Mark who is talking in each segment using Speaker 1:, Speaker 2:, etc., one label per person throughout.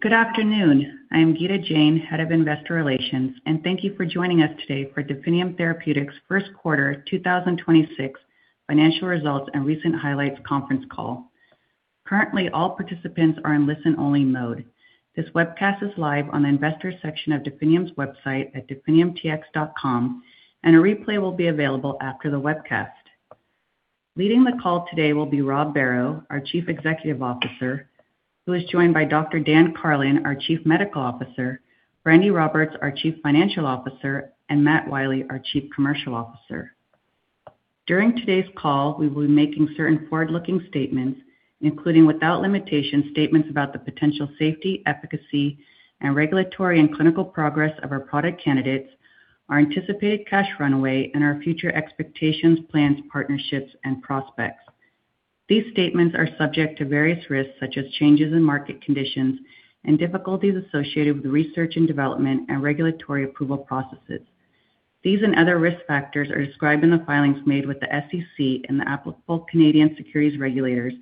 Speaker 1: Good afternoon. I am Gita Jain, Head of Investor Relations, and thank you for joining us today for Definium Therapeutics' first quarter 2026 financial results and recent highlights conference call. Currently, all participants are in listen-only mode. This webcast is live on the investors section of Definium's website at definiumtx.com, and a replay will be available after the webcast. Leading the call today will be Rob Barrow, our Chief Executive Officer, who is joined by Dr. Dan Karlin, our Chief Medical Officer, Brandi Roberts, our Chief Financial Officer, and Matt Wiley, our Chief Commercial Officer. During today's call, we will be making certain forward-looking statements, including, without limitation, statements about the potential safety, efficacy, and regulatory and clinical progress of our product candidates, our anticipated cash runway, and our future expectations, plans, partnerships, and prospects. These statements are subject to various risks, such as changes in market conditions and difficulties associated with research and development and regulatory approval processes. These and other risk factors are described in the filings made with the SEC and the applicable Canadian securities regulators,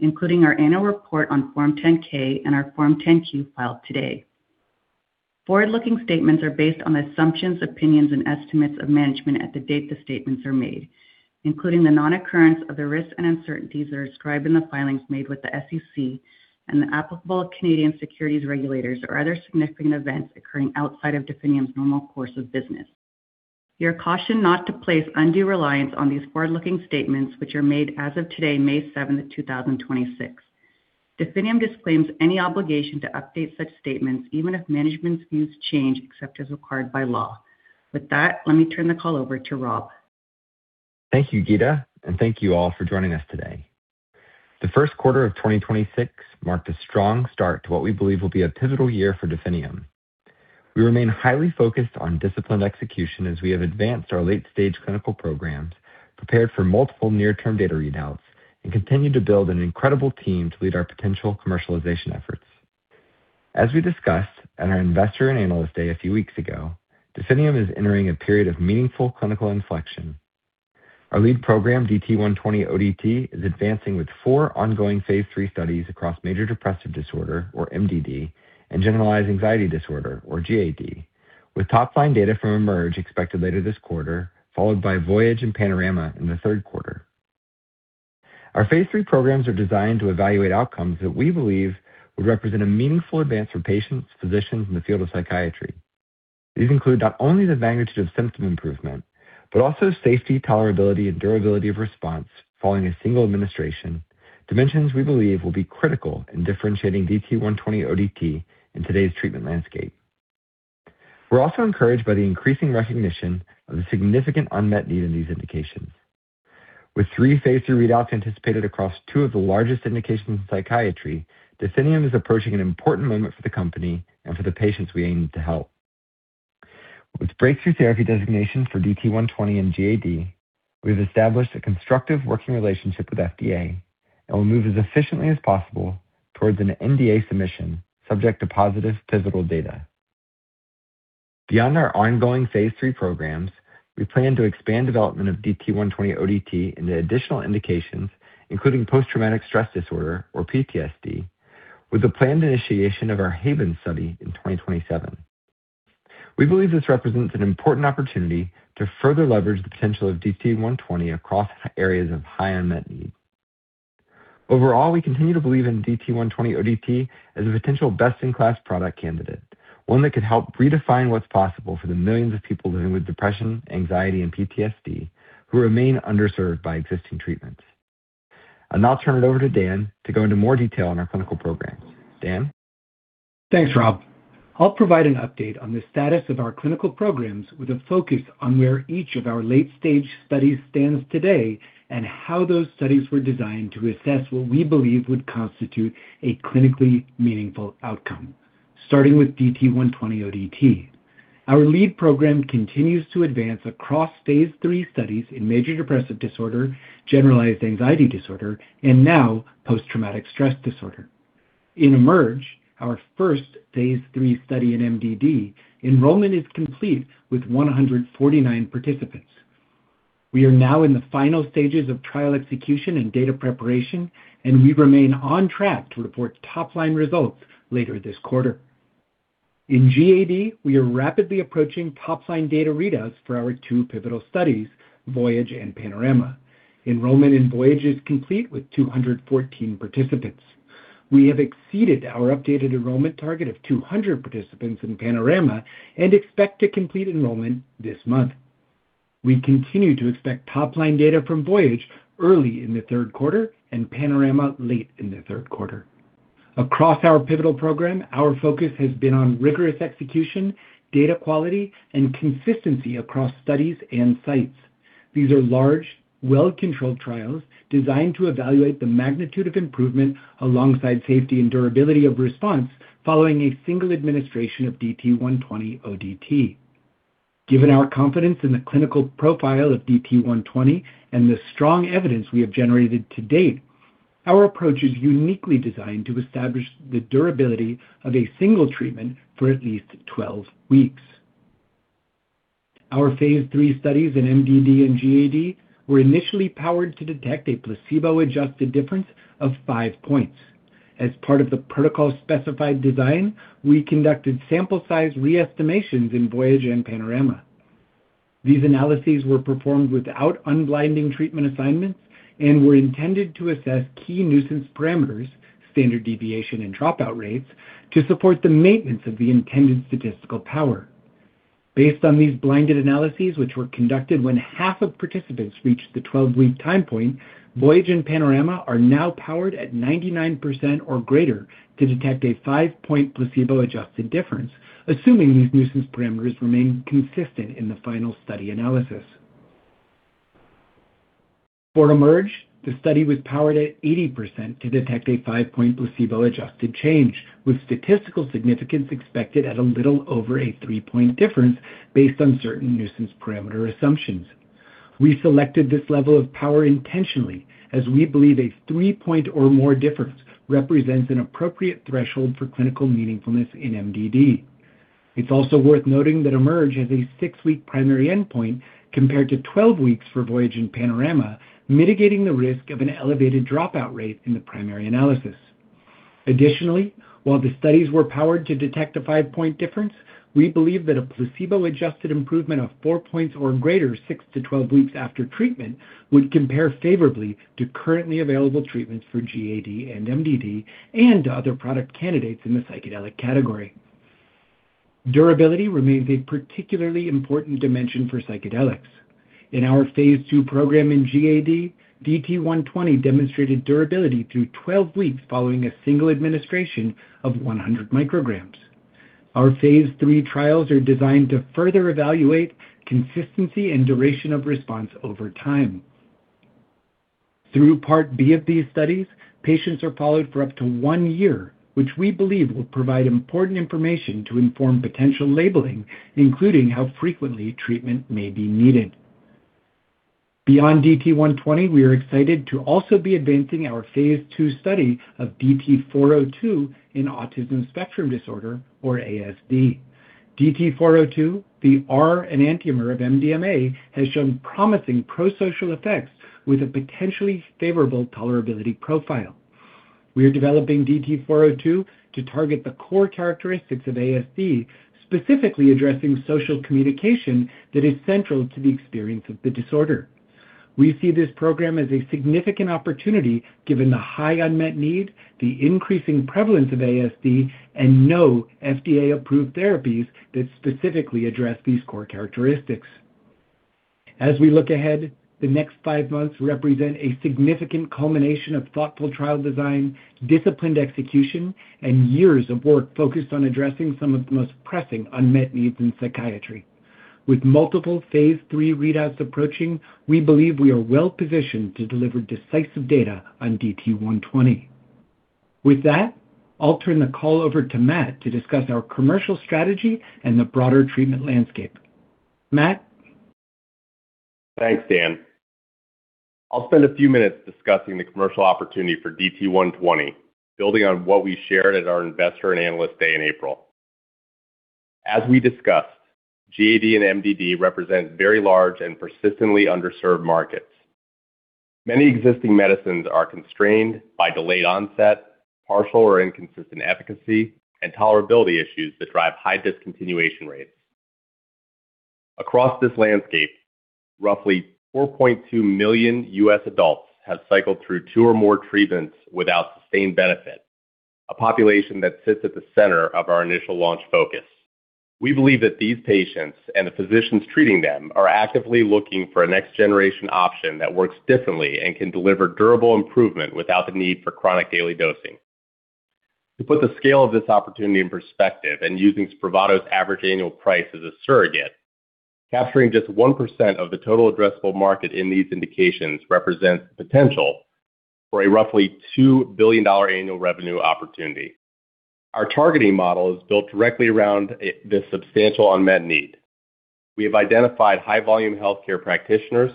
Speaker 1: including our annual report on Form 10-K and our Form 10-Q filed today. Forward-looking statements are based on the assumptions, opinions, and estimates of management at the date the statements are made, including the non-occurrence of the risks and uncertainties that are described in the filings made with the SEC and the applicable Canadian securities regulators or other significant events occurring outside of Definium's normal course of business. You are cautioned not to place undue reliance on these forward-looking statements which are made as of today, May 7, 2026. Definium disclaims any obligation to update such statements, even if management's views change, except as required by law. With that, let me turn the call over to Rob.
Speaker 2: Thank you, Gita, and thank you all for joining us today. The first quarter of 2026 marked a strong start to what we believe will be a pivotal year for Definium. We remain highly focused on disciplined execution as we have advanced our late-stage clinical programs, prepared for multiple near-term data readouts, and continued to build an incredible team to lead our potential commercialization efforts. As we discussed at our Investor and Analyst Day a few weeks ago, Definium is entering a period of meaningful clinical inflection. Our lead program, DT120 ODT, is advancing with four ongoing phase III studies across major depressive disorder, or MDD, and generalized anxiety disorder, or GAD, with top line data from Emerge expected later this quarter, followed by Voyage and Panorama in the third quarter. Our phase III programs are designed to evaluate outcomes that we believe would represent a meaningful advance for patients, physicians, and the field of psychiatry. These include not only the magnitude of symptom improvement, but also safety, tolerability, and durability of response following a single administration, dimensions we believe will be critical in differentiating DT120 ODT in today's treatment landscape. We're also encouraged by the increasing recognition of the significant unmet need in these indications. With three phase III readouts anticipated across two of the largest indications in psychiatry, Definium is approaching an important moment for the company and for the patients we aim to help. With breakthrough therapy designation for DT120 and GAD, we have established a constructive working relationship with FDA and will move as efficiently as possible towards an NDA submission subject to positive pivotal data. Beyond our ongoing phase III programs, we plan to expand development of DT120 ODT into additional indications, including post-traumatic stress disorder, or PTSD, with the planned initiation of our Haven study in 2027. We believe this represents an important opportunity to further leverage the potential of DT120 across areas of high unmet need. Overall, we continue to believe in DT120 ODT as a potential best-in-class product candidate, one that could help redefine what's possible for the millions of people living with depression, anxiety, and PTSD who remain underserved by existing treatments. I'll now turn it over to Dan to go into more detail on our clinical programs. Dan?
Speaker 3: Thanks, Rob. I'll provide an update on the status of our clinical programs with a focus on where each of our late-stage studies stands today and how those studies were designed to assess what we believe would constitute a clinically meaningful outcome, starting with DT120 ODT. Our lead program continues to advance across phase III studies in major depressive disorder, generalized anxiety disorder, and now post-traumatic stress disorder. In Emerge, our first phase III study in MDD, enrollment is complete with 149 participants. We are now in the final stages of trial execution and data preparation, and we remain on track to report top-line results later this quarter. In GAD, we are rapidly approaching top-line data readouts for our two pivotal studies, Voyage and Panorama. Enrollment in Voyage is complete with 214 participants. We have exceeded our updated enrollment target of 200 participants in Panorama and expect to complete enrollment this month. We continue to expect top-line data from Voyage early in the third quarter and Panorama late in the third quarter. Across our pivotal program, our focus has been on rigorous execution, data quality, and consistency across studies and sites. These are large, well-controlled trials designed to evaluate the magnitude of improvement alongside safety and durability of response following a single administration of DT120 ODT. Given our confidence in the clinical profile of DT120 and the strong evidence we have generated to date, our approach is uniquely designed to establish the durability of a single treatment for at least 12 weeks. Our phase III studies in MDD and GAD were initially powered to detect a placebo-adjusted difference of five points. As part of the protocol-specified design, we conducted sample size re-estimations in Voyage and Panorama. These analyses were performed without unblinding treatment assignments and were intended to assess key nuisance parameters, standard deviation, and dropout rates to support the maintenance of the intended statistical power. Based on these blinded analyses, which were conducted when half of participants reached the 12-week time point, Voyage and Panorama are now powered at 99% or greater to detect a five-point placebo-adjusted difference, assuming these nuisance parameters remain consistent in the final study analysis. For Emerge, the study was powered at 80% to detect a five-point placebo-adjusted change, with statistical significance expected at a little over a three-point difference based on certain nuisance parameter assumptions. We selected this level of power intentionally as we believe a three-point or more difference represents an appropriate threshold for clinical meaningfulness in MDD. It's also worth noting that Emerge has a six-week primary endpoint compared to 12 weeks for Voyage and Panorama, mitigating the risk of an elevated dropout rate in the primary analysis. Additionally, while the studies were powered to detect a five-point difference, we believe that a placebo-adjusted improvement of four points or greater six to 12 weeks after treatment would compare favorably to currently available treatments for GAD and MDD and to other product candidates in the psychedelic category. Durability remains a particularly important dimension for psychedelics. In our phase II program in GAD, DT120 demonstrated durability through 12 weeks following a single administration of 100 mcg. Our phase III trials are designed to further evaluate consistency and duration of response over time. Through part B of these studies, patients are followed for up to one year, which we believe will provide important information to inform potential labeling, including how frequently treatment may be needed. Beyond DT120, we are excited to also be advancing our phase II study of DT402 in autism spectrum disorder or ASD. DT402, the R-enantiomer of MDMA, has shown promising pro-social effects with a potentially favorable tolerability profile. We are developing DT402 to target the core characteristics of ASD, specifically addressing social communication that is central to the experience of the disorder. We see this program as a significant opportunity given the high unmet need, the increasing prevalence of ASD, and no FDA-approved therapies that specifically address these core characteristics. As we look ahead, the next five months represent a significant culmination of thoughtful trial design, disciplined execution, and years of work focused on addressing some of the most pressing unmet needs in psychiatry. With multiple phase III readouts approaching, we believe we are well positioned to deliver decisive data on DT120. With that, I'll turn the call over to Matt to discuss our commercial strategy and the broader treatment landscape. Matt.
Speaker 4: Thanks, Dan. I'll spend a few minutes discussing the commercial opportunity for DT120, building on what we shared at our Investor and Analyst Day in April. As we discussed, GAD and MDD represent very large and persistently underserved markets. Many existing medicines are constrained by delayed onset, partial or inconsistent efficacy, and tolerability issues that drive high discontinuation rates. Across this landscape, roughly 4.2 million U.S. adults have cycled through two or more treatments without sustained benefit. A population that sits at the center of our initial launch focus. We believe that these patients and the physicians treating them are actively looking for a next generation option that works differently and can deliver durable improvement without the need for chronic daily dosing. To put the scale of this opportunity in perspective and using SPRAVATO's average annual price as a surrogate, capturing just 1% of the total addressable market in these indications represents potential for a roughly $2 billion annual revenue opportunity. Our targeting model is built directly around this substantial unmet need. We have identified high volume healthcare practitioners,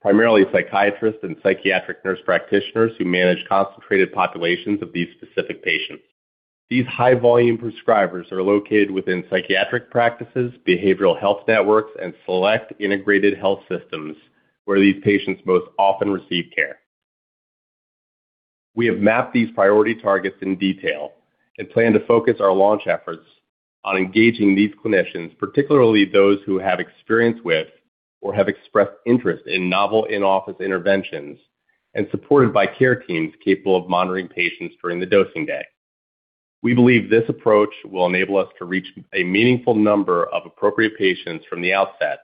Speaker 4: primarily psychiatrists and psychiatric nurse practitioners, who manage concentrated populations of these specific patients. These high volume prescribers are located within psychiatric practices, behavioral health networks, and select integrated health systems where these patients most often receive care. We have mapped these priority targets in detail and plan to focus our launch efforts on engaging these clinicians, particularly those who have experience with or have expressed interest in novel in-office interventions and supported by care teams capable of monitoring patients during the dosing day. We believe this approach will enable us to reach a meaningful number of appropriate patients from the outset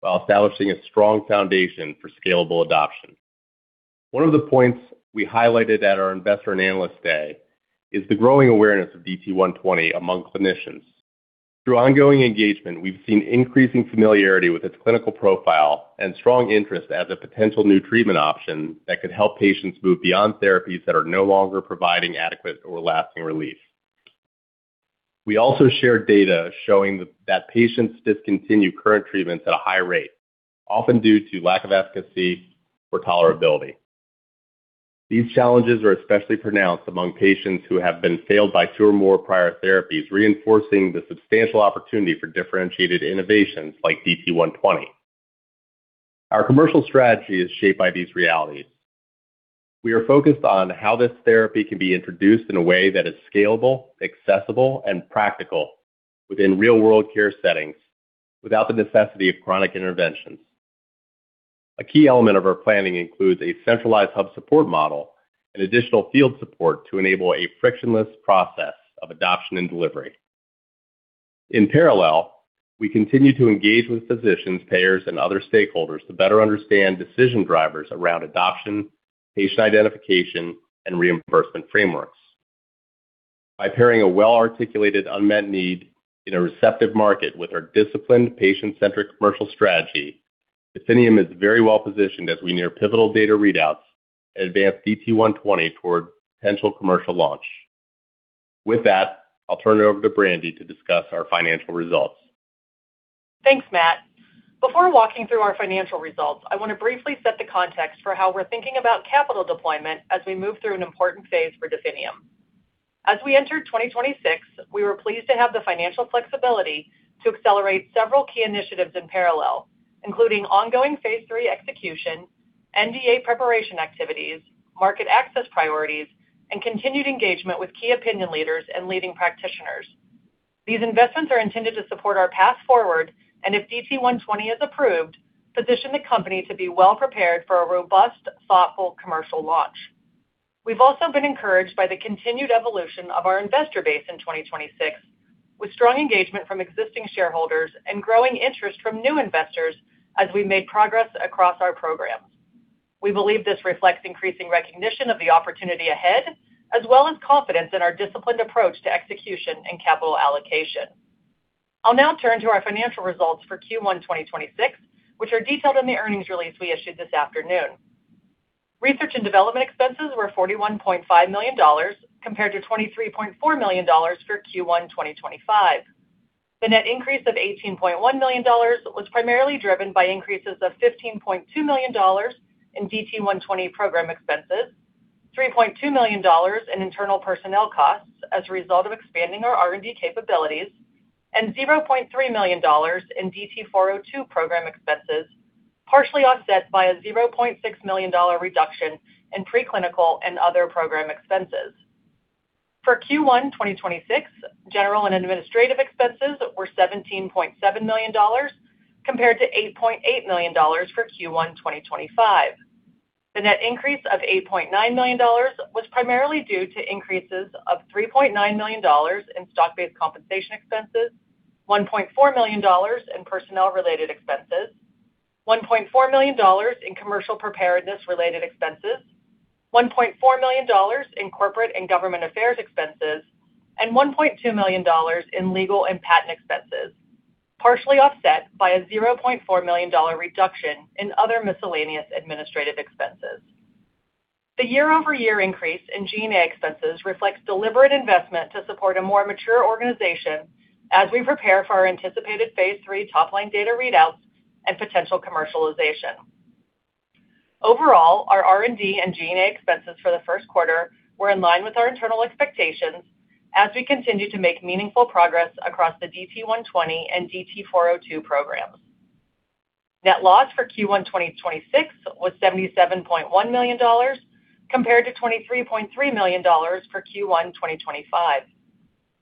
Speaker 4: while establishing a strong foundation for scalable adoption. One of the points we highlighted at our Investor and Analyst Day is the growing awareness of DT120 among clinicians. Through ongoing engagement, we've seen increasing familiarity with its clinical profile and strong interest as a potential new treatment option that could help patients move beyond therapies that are no longer providing adequate or lasting relief. We also shared data showing that patients discontinue current treatments at a high rate, often due to lack of efficacy or tolerability. These challenges are especially pronounced among patients who have been failed by two or more prior therapies, reinforcing the substantial opportunity for differentiated innovations like DT120. Our commercial strategy is shaped by these realities. We are focused on how this therapy can be introduced in a way that is scalable, accessible, and practical within real-world care settings without the necessity of chronic interventions. A key element of our planning includes a centralized hub support model and additional field support to enable a frictionless process of adoption and delivery. In parallel, we continue to engage with physicians, payers, and other stakeholders to better understand decision drivers around adoption, patient identification, and reimbursement frameworks. By pairing a well-articulated unmet need in a receptive market with our disciplined patient-centric commercial strategy, Definium is very well positioned as we near pivotal data readouts and advance DT120 toward potential commercial launch. With that, I'll turn it over to Brandi to discuss our financial results.
Speaker 5: Thanks, Matt. Before walking through our financial results, I want to briefly set the context for how we're thinking about capital deployment as we move through an important phase for Definium. As we entered 2026, we were pleased to have the financial flexibility to accelerate several key initiatives in parallel, including ongoing phase III execution, NDA preparation activities, market access priorities, and continued engagement with key opinion leaders and leading practitioners. These investments are intended to support our path forward and if DT120 is approved, position the company to be well prepared for a robust, thoughtful commercial launch. We've also been encouraged by the continued evolution of our investor base in 2026 with strong engagement from existing shareholders and growing interest from new investors as we made progress across our programs. We believe this reflects increasing recognition of the opportunity ahead as well as confidence in our disciplined approach to execution and capital allocation. I'll now turn to our financial results for Q1 2026, which are detailed in the earnings release we issued this afternoon. Research and development expenses were $41.5 million compared to $23.4 million for Q1 2025. The net increase of $18.1 million was primarily driven by increases of $15.2 million in DT120 program expenses, $3.2 million in internal personnel costs as a result of expanding our R&D capabilities, and $0.3 million in DT402 program expenses, partially offset by a $0.6 million reduction in preclinical and other program expenses. For Q1 2026, general and administrative expenses were $17.7 million compared to $8.8 million for Q1 2025. The net increase of $8.9 million was primarily due to increases of $3.9 million in stock-based compensation expenses, $1.4 million in personnel-related expenses, $1.4 million in commercial preparedness-related expenses, $1.4 million in corporate and government affairs expenses, and $1.2 million in legal and patent expenses, partially offset by a $0.4 million reduction in other miscellaneous administrative expenses. The year-over-year increase in G&A expenses reflects deliberate investment to support a more mature organization as we prepare for our anticipated phase III top-line data readouts and potential commercialization. Overall, our R&D and G&A expenses for the first quarter were in line with our internal expectations as we continue to make meaningful progress across the DT120 and DT402 programs. Net loss for Q1 2026 was $77.1 million compared to $23.3 million for Q1 2025.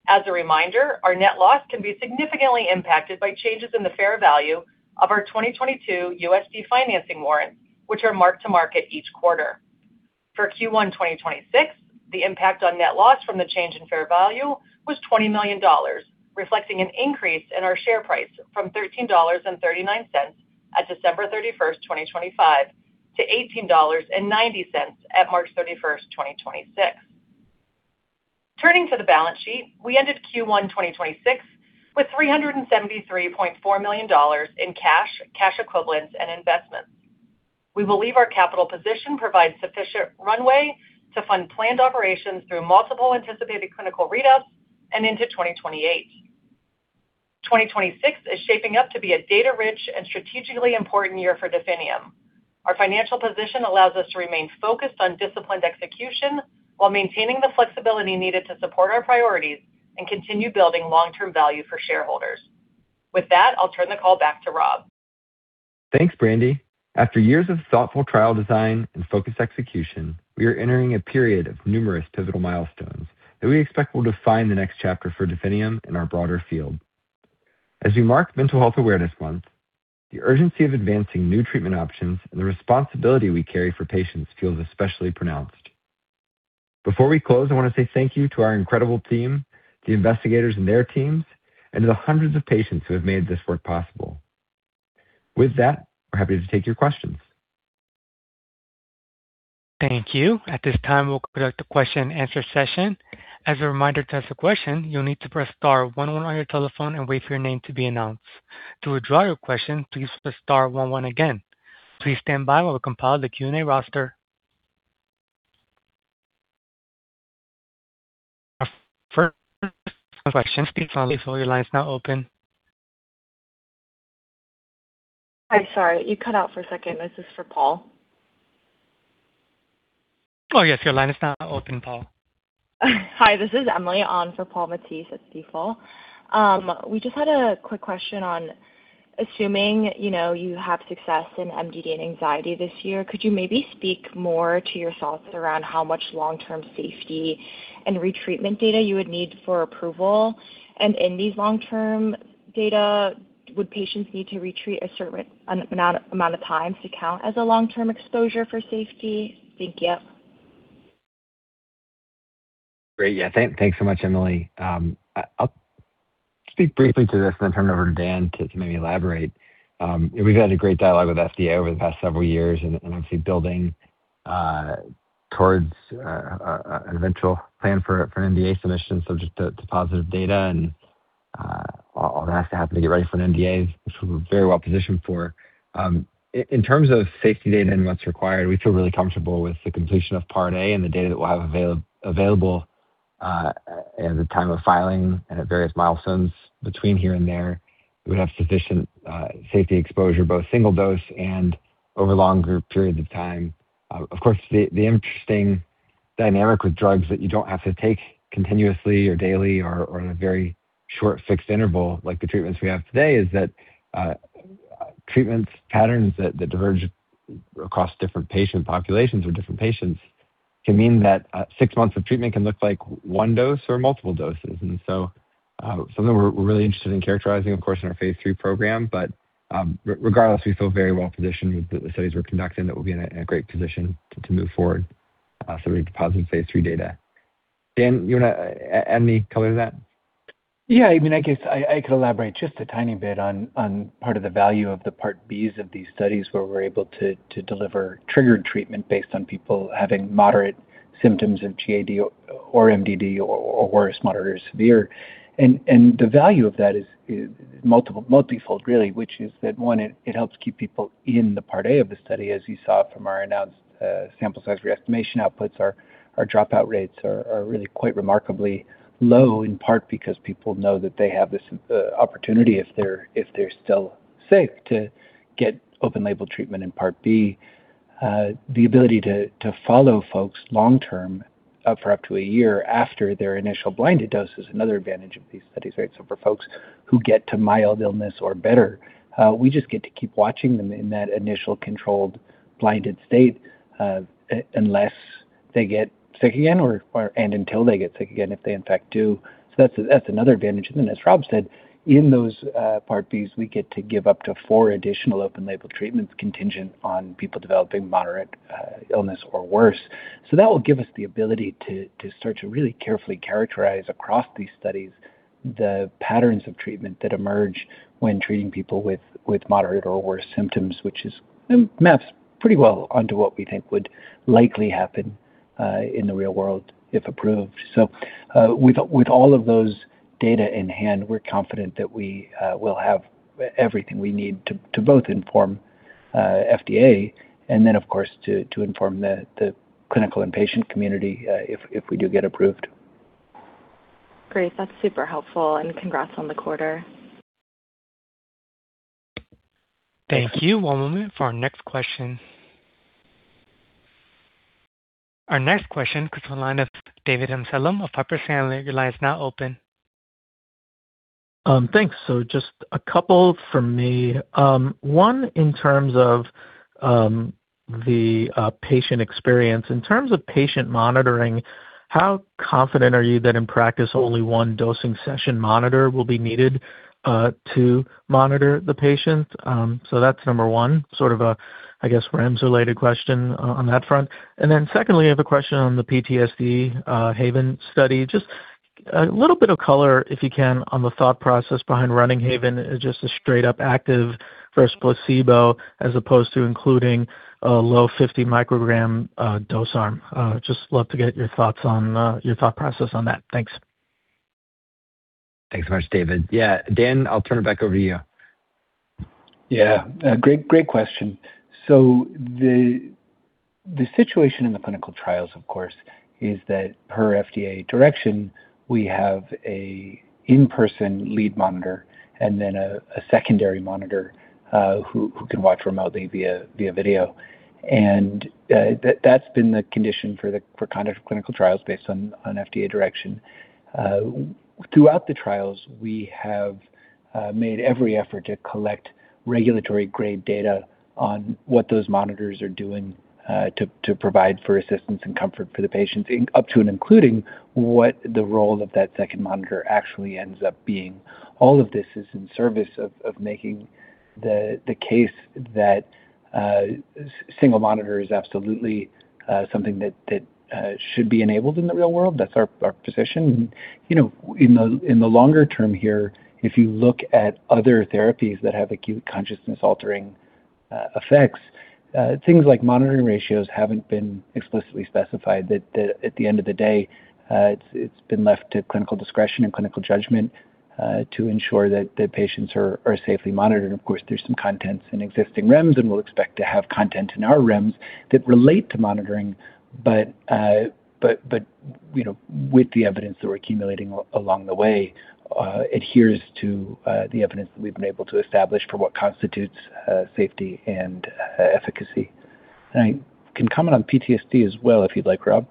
Speaker 5: As a reminder, our net loss can be significantly impacted by changes in the fair value of our 2022 USD financing warrants, which are marked to market each quarter. For Q1 2026, the impact on net loss from the change in fair value was $20 million, reflecting an increase in our share price from $13.39 at December 31st, 2025 to $18.90 at March 31st, 2026. Turning to the balance sheet, we ended Q1 2026 with $373.4 million in cash equivalents, and investments. We believe our capital position provides sufficient runway to fund planned operations through multiple anticipated clinical readouts and into 2028. 2026 is shaping up to be a data-rich and strategically important year for Definium. Our financial position allows us to remain focused on disciplined execution while maintaining the flexibility needed to support our priorities and continue building long-term value for shareholders. With that, I'll turn the call back to Rob.
Speaker 2: Thanks, Brandi. After years of thoughtful trial design and focused execution, we are entering a period of numerous pivotal milestones that we expect will define the next chapter for Definium in our broader field. As we mark Mental Health Awareness Month, the urgency of advancing new treatment options and the responsibility we carry for patients feels especially pronounced. Before we close, I want to say thank you to our incredible team, the investigators and their teams, and to the hundreds of patients who have made this work possible. With that, we're happy to take your questions.
Speaker 6: Thank you. At this time, we'll conduct a question and answer session. As a reminder to ask a question, you'll need to press star one one on your telephone and wait for your name to be announced. To withdraw your question, please press star one one again. Please stand by while we compile the Q&A roster. First question, your line is now open.
Speaker 7: I'm sorry, you cut out for a second. This is for Paul.
Speaker 6: Oh, yes, your line is now open, Paul.
Speaker 7: Hi, this is Emily on for Paul Matteis at Stifel. We just had a quick question on assuming, you know, you have success in MDD and anxiety this year. Could you maybe speak more to your thoughts around how much long-term safety and retreatment data you would need for approval? In these long-term data, would patients need to retreat a certain amount of times to count as a long-term exposure for safety? Thank you.
Speaker 2: Great. Yeah. Thanks so much, Emily. I'll speak briefly to this and then turn it over to Dan to maybe elaborate. We've had a great dialogue with FDA over the past several years and obviously building towards an eventual plan for an NDA submission subject to positive data and all that has to happen to get ready for an NDA, which we're very well positioned for. In terms of safety data and what's required, we feel really comfortable with the completion of part A and the data that we'll have available at the time of filing and at various milestones between here and there. We have sufficient safety exposure, both single dose and over longer periods of time. Of course, the interesting dynamic with drugs that you don't have to take continuously or daily or in a very short fixed interval, like the treatments we have today, is that treatments patterns that diverge across different patient populations or different patients can mean that six months of treatment can look like one dose or multiple doses. Something we're really interested in characterizing, of course, in our phase III program. Regardless, we feel very well positioned with the studies we're conducting that we'll be in a great position to move forward, so we deposit phase III data. Dan, you wanna add any color to that?
Speaker 3: Yeah, I mean, I guess I could elaborate just a tiny bit on part of the value of the part Bs of these studies where we're able to deliver triggered treatment based on people having moderate symptoms of GAD or MDD or worse, moderate or severe. The value of that is multifold, really, which is that one, it helps keep people in the part A of the study. As you saw from our announced sample size re-estimation outputs, our dropout rates are really quite remarkably low, in part because people know that they have this opportunity if they're still safe to get open label treatment in part B. The ability to follow folks long term for up to a year after their initial blinded dose is another advantage of these studies, right? For folks who get to mild illness or better, we just get to keep watching them in that initial controlled blinded state unless they get sick again and until they get sick again, if they in fact do. That's another advantage. As Rob said, in those part Bs, we get to give up to four additional open label treatments contingent on people developing moderate illness or worse. That will give us the ability to start to really carefully characterize across these studies the patterns of treatment that emerge when treating people with moderate or worse symptoms, which maps pretty well onto what we think would likely happen in the real world if approved. With all of those data in hand, we're confident that we will have everything we need to both inform FDA and then of course, to inform the clinical and patient community if we do get approved.
Speaker 7: Great. That's super helpful and congrats on the quarter.
Speaker 6: Thank you. One moment for our next question. Our next question comes from the line of David Amsellem of Piper Sandler. Your line is now open.
Speaker 8: Thanks. Just a couple from me. One, in terms of the patient experience. In terms of patient monitoring, how confident are you that in practice only one dosing session monitor will be needed to monitor the patient? That's number one, sort of a, I guess, REMS-related question on that front. Secondly, I have a question on the PTSD, Haven study. Just a little bit of color, if you can, on the thought process behind running Haven as just a straight up active versus placebo, as opposed to including a low 50 mcg dose arm. Just love to get your thoughts on your thought process on that. Thanks.
Speaker 2: Thanks so much, David. Yeah. Dan, I'll turn it back over to you.
Speaker 3: Yeah. Great question. The situation in the clinical trials, of course, is that per FDA direction, we have an in-person lead monitor and then a secondary monitor who can watch remotely via video. That's been the condition for conduct of clinical trials based on FDA direction. Throughout the trials, we have made every effort to collect regulatory grade data on what those monitors are doing, to provide for assistance and comfort for the patients, up to and including what the role of that second monitor actually ends up being. All of this is in service of making the case that a single monitor is absolutely something that should be enabled in the real world. That's our position. You know, in the longer term here, if you look at other therapies that have acute consciousness altering effects, things like monitoring ratios haven't been explicitly specified. At the end of the day, it's been left to clinical discretion and clinical judgment to ensure that the patients are safely monitored. Of course, there's some contents in existing REMS, and we'll expect to have content in our REMS that relate to monitoring. You know, with the evidence that we're accumulating along the way, adheres to the evidence that we've been able to establish for what constitutes safety and efficacy. I can comment on PTSD as well if you'd like, Rob.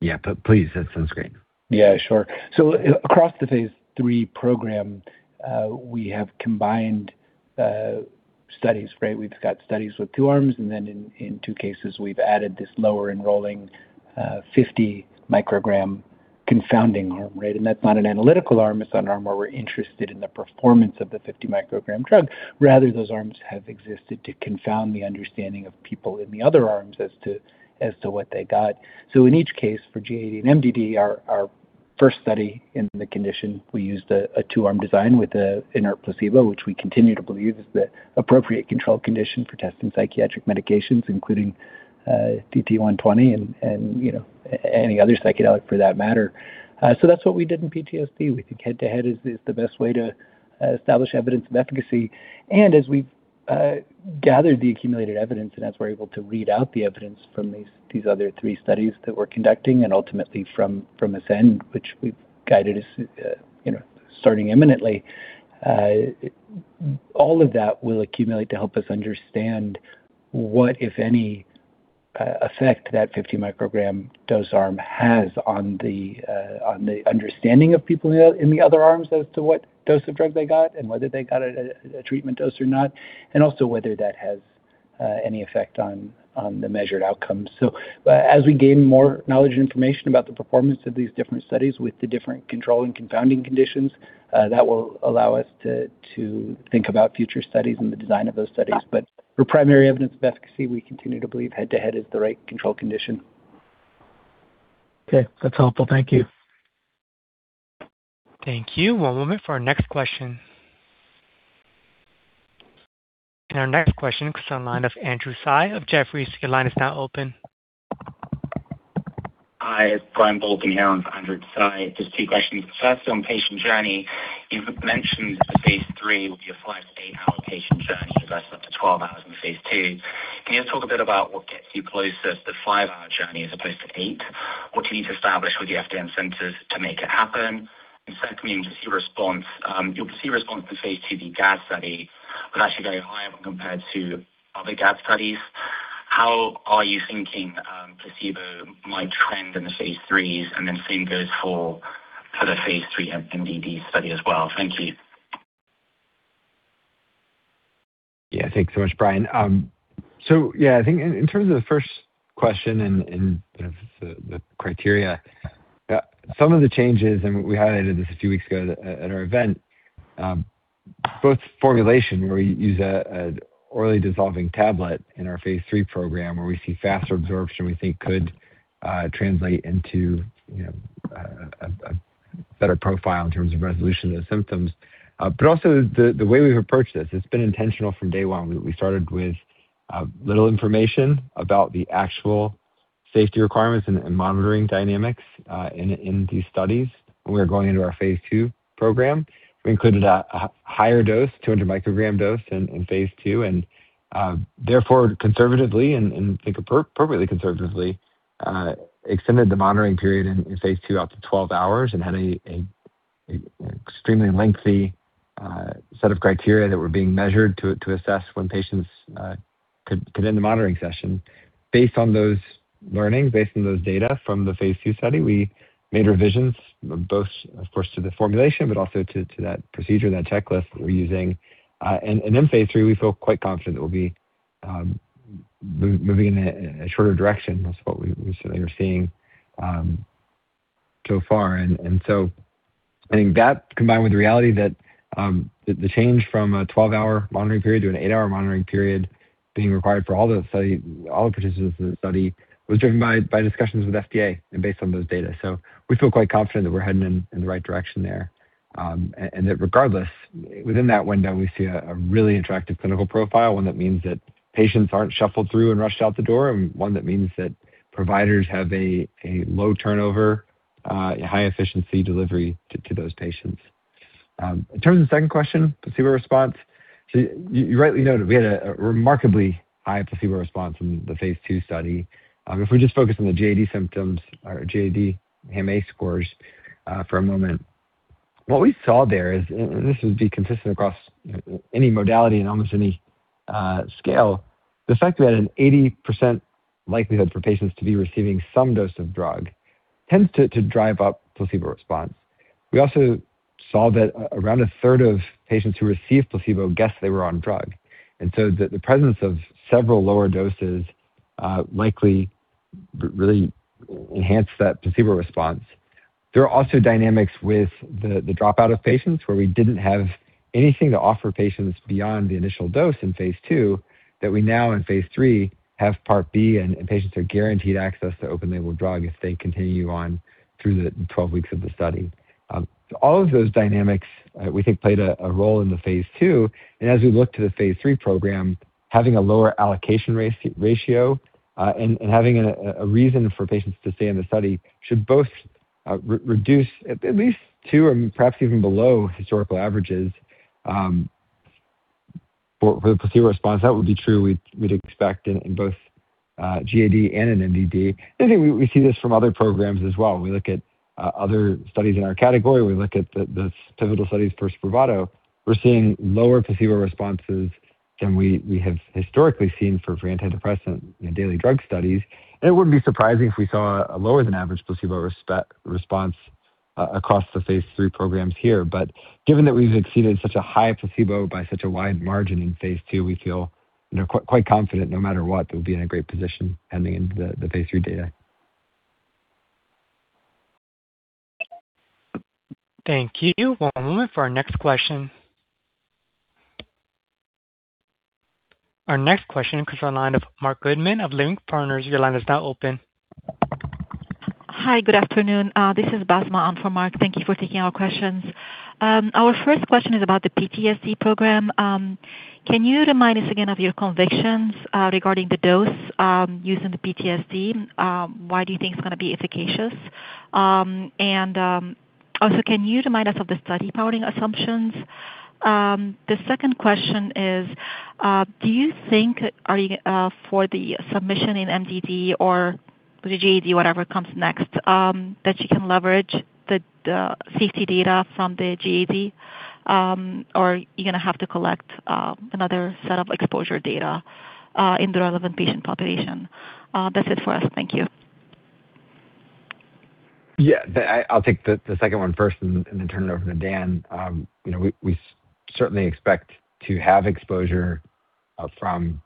Speaker 2: Yeah. Please, that sounds great.
Speaker 3: Yeah, sure. Across the phase III program, we have combined studies, right? We've got studies with two arms, and then in two cases, we've added this lower enrolling, 50 mcg confounding arm, right? That's not an analytical arm. It's an arm where we're interested in the performance of the 50 mcg drug. Rather, those arms have existed to confound the understanding of people in the other arms as to what they got. In each case, for GAD and MDD, our first study in the condition, we used a two-arm design with an inert placebo, which we continue to believe is the appropriate control condition for testing psychiatric medications including DT120 and, you know, any other psychedelic for that matter. That's what we did in PTSD. We think head-to-head is the best way to establish evidence of efficacy. As we've gathered the accumulated evidence and as we're able to read out the evidence from these other three studies that we're conducting and ultimately from Ascend, which we've guided us, you know, starting imminently. All of that will accumulate to help us understand what, if any, effect that 50 mcg dose arm has on the understanding of people in the other arms as to what dose of drug they got and whether they got a treatment dose or not. Also whether that has any effect on the measured outcomes. As we gain more knowledge and information about the performance of these different studies with the different control and confounding conditions, that will allow us to think about future studies and the design of those studies. For primary evidence of efficacy, we continue to believe head-to-head is the right control condition.
Speaker 8: Okay. That's helpful. Thank you.
Speaker 6: Thank you. One moment for our next question. Our next question comes on line of Andrew Tsai of Jefferies. Your line is now open.
Speaker 9: Hi. It's Brian on for Andrew Tsai. Just two questions. First, on patient journey, you've mentioned the phase III will be a five to eight-hour patient journey as opposed to up to 12 hours in phase II. Can you just talk a bit about what gets you closest to the five-hour journey as opposed to eight? What do you need to establish with the FDA incentives to make it happen? Secondly, on placebo response. Your placebo response in phase II, the GAD study was actually very high when compared to other GAD studies. How are you thinking placebo might trend in the phase IIIs? Then same goes for the phase III MDD study as well. Thank you.
Speaker 2: Thanks so much, Brian. I think in terms of the first question, the criteria, some of the changes, we highlighted this a few weeks ago at our event. Both formulation, where we use an orally dissolving tablet in our phase III program, where we see faster absorption we think could translate into, you know, a better profile in terms of resolution of the symptoms. Also the way we've approached this, it's been intentional from day one. We started with little information about the actual safety requirements and monitoring dynamics in these studies when we were going into our phase II program. We included a higher dose, 200 mcg dose in phase II. Therefore conservatively, and I think appropriately conservatively, extended the monitoring period in phase II out to 12 hours and had a extremely lengthy set of criteria that were being measured to assess when patients could end the monitoring session. Based on those learnings, based on those data from the phase II study, we made revisions, both, of course, to the formulation, but also to that procedure, that checklist that we're using. In phase III, we feel quite confident that we'll be moving in a shorter direction. That's what we certainly are seeing so far. I think that combined with the reality that the change from a 12-hour monitoring period to an eight-hour monitoring period being required for all the participants in the study was driven by discussions with FDA and based on those data. We feel quite confident that we're heading in the right direction there. That regardless, within that window, we see a really attractive clinical profile, one that means that patients aren't shuffled through and rushed out the door, and one that means that providers have a low turnover, high efficiency delivery to those patients. In terms of the second question, placebo response. You rightly noted we had a remarkably high placebo response from the phase II study. If we just focus on the GAD symptoms or GAD HAM-A scores for a moment, what we saw there is, and this would be consistent across any modality in almost any scale. The fact that an 80% likelihood for patients to be receiving some dose of drug tends to drive up placebo response. We also saw that around a third of patients who received placebo guessed they were on drug. The presence of several lower doses likely really enhanced that placebo response. There are also dynamics with the dropout of patients, where we didn't have anything to offer patients beyond the initial dose in phase II, that we now in phase III have part B, and patients are guaranteed access to open-label drug if they continue on through the 12 weeks of the study. All of those dynamics, we think played a role in the phase II. As we look to the phase III program, having a lower allocation ratio, and having a reason for patients to stay in the study, should both reduce at least to and perhaps even below historical averages for the placebo response. That would be true we'd expect in both GAD and in MDD. I think we see this from other programs as well. We look at other studies in our category. We look at the pivotal studies for SPRAVATO. We're seeing lower placebo responses than we have historically seen for antidepressant in daily drug studies. It wouldn't be surprising if we saw a lower than average placebo response across the phase III programs here. Given that we've exceeded such a high placebo by such a wide margin in phase II, we feel, you know, quite confident no matter what that we'll be in a great position heading into the phase III data.
Speaker 6: Thank you. One moment for our next question. Our next question comes from the line of Marc Goodman of Leerink Partners. Your line is now open.
Speaker 10: Hi, good afternoon. This is Basma on for Marc. Thank you for taking our questions. Our first question is about the PTSD program. Can you remind us again of your convictions regarding the dose using the PTSD? Why do you think it's gonna be efficacious? Also, can you remind us of the study powering assumptions? The second question is, do you think for the submission in MDD or the GAD, whatever comes next, that you can leverage the safety data from the GAD, or you're gonna have to collect another set of exposure data in the relevant patient population? That's it for us. Thank you.
Speaker 2: I'll take the second one first and then turn it over to Dan. You know, we certainly expect to have exposure from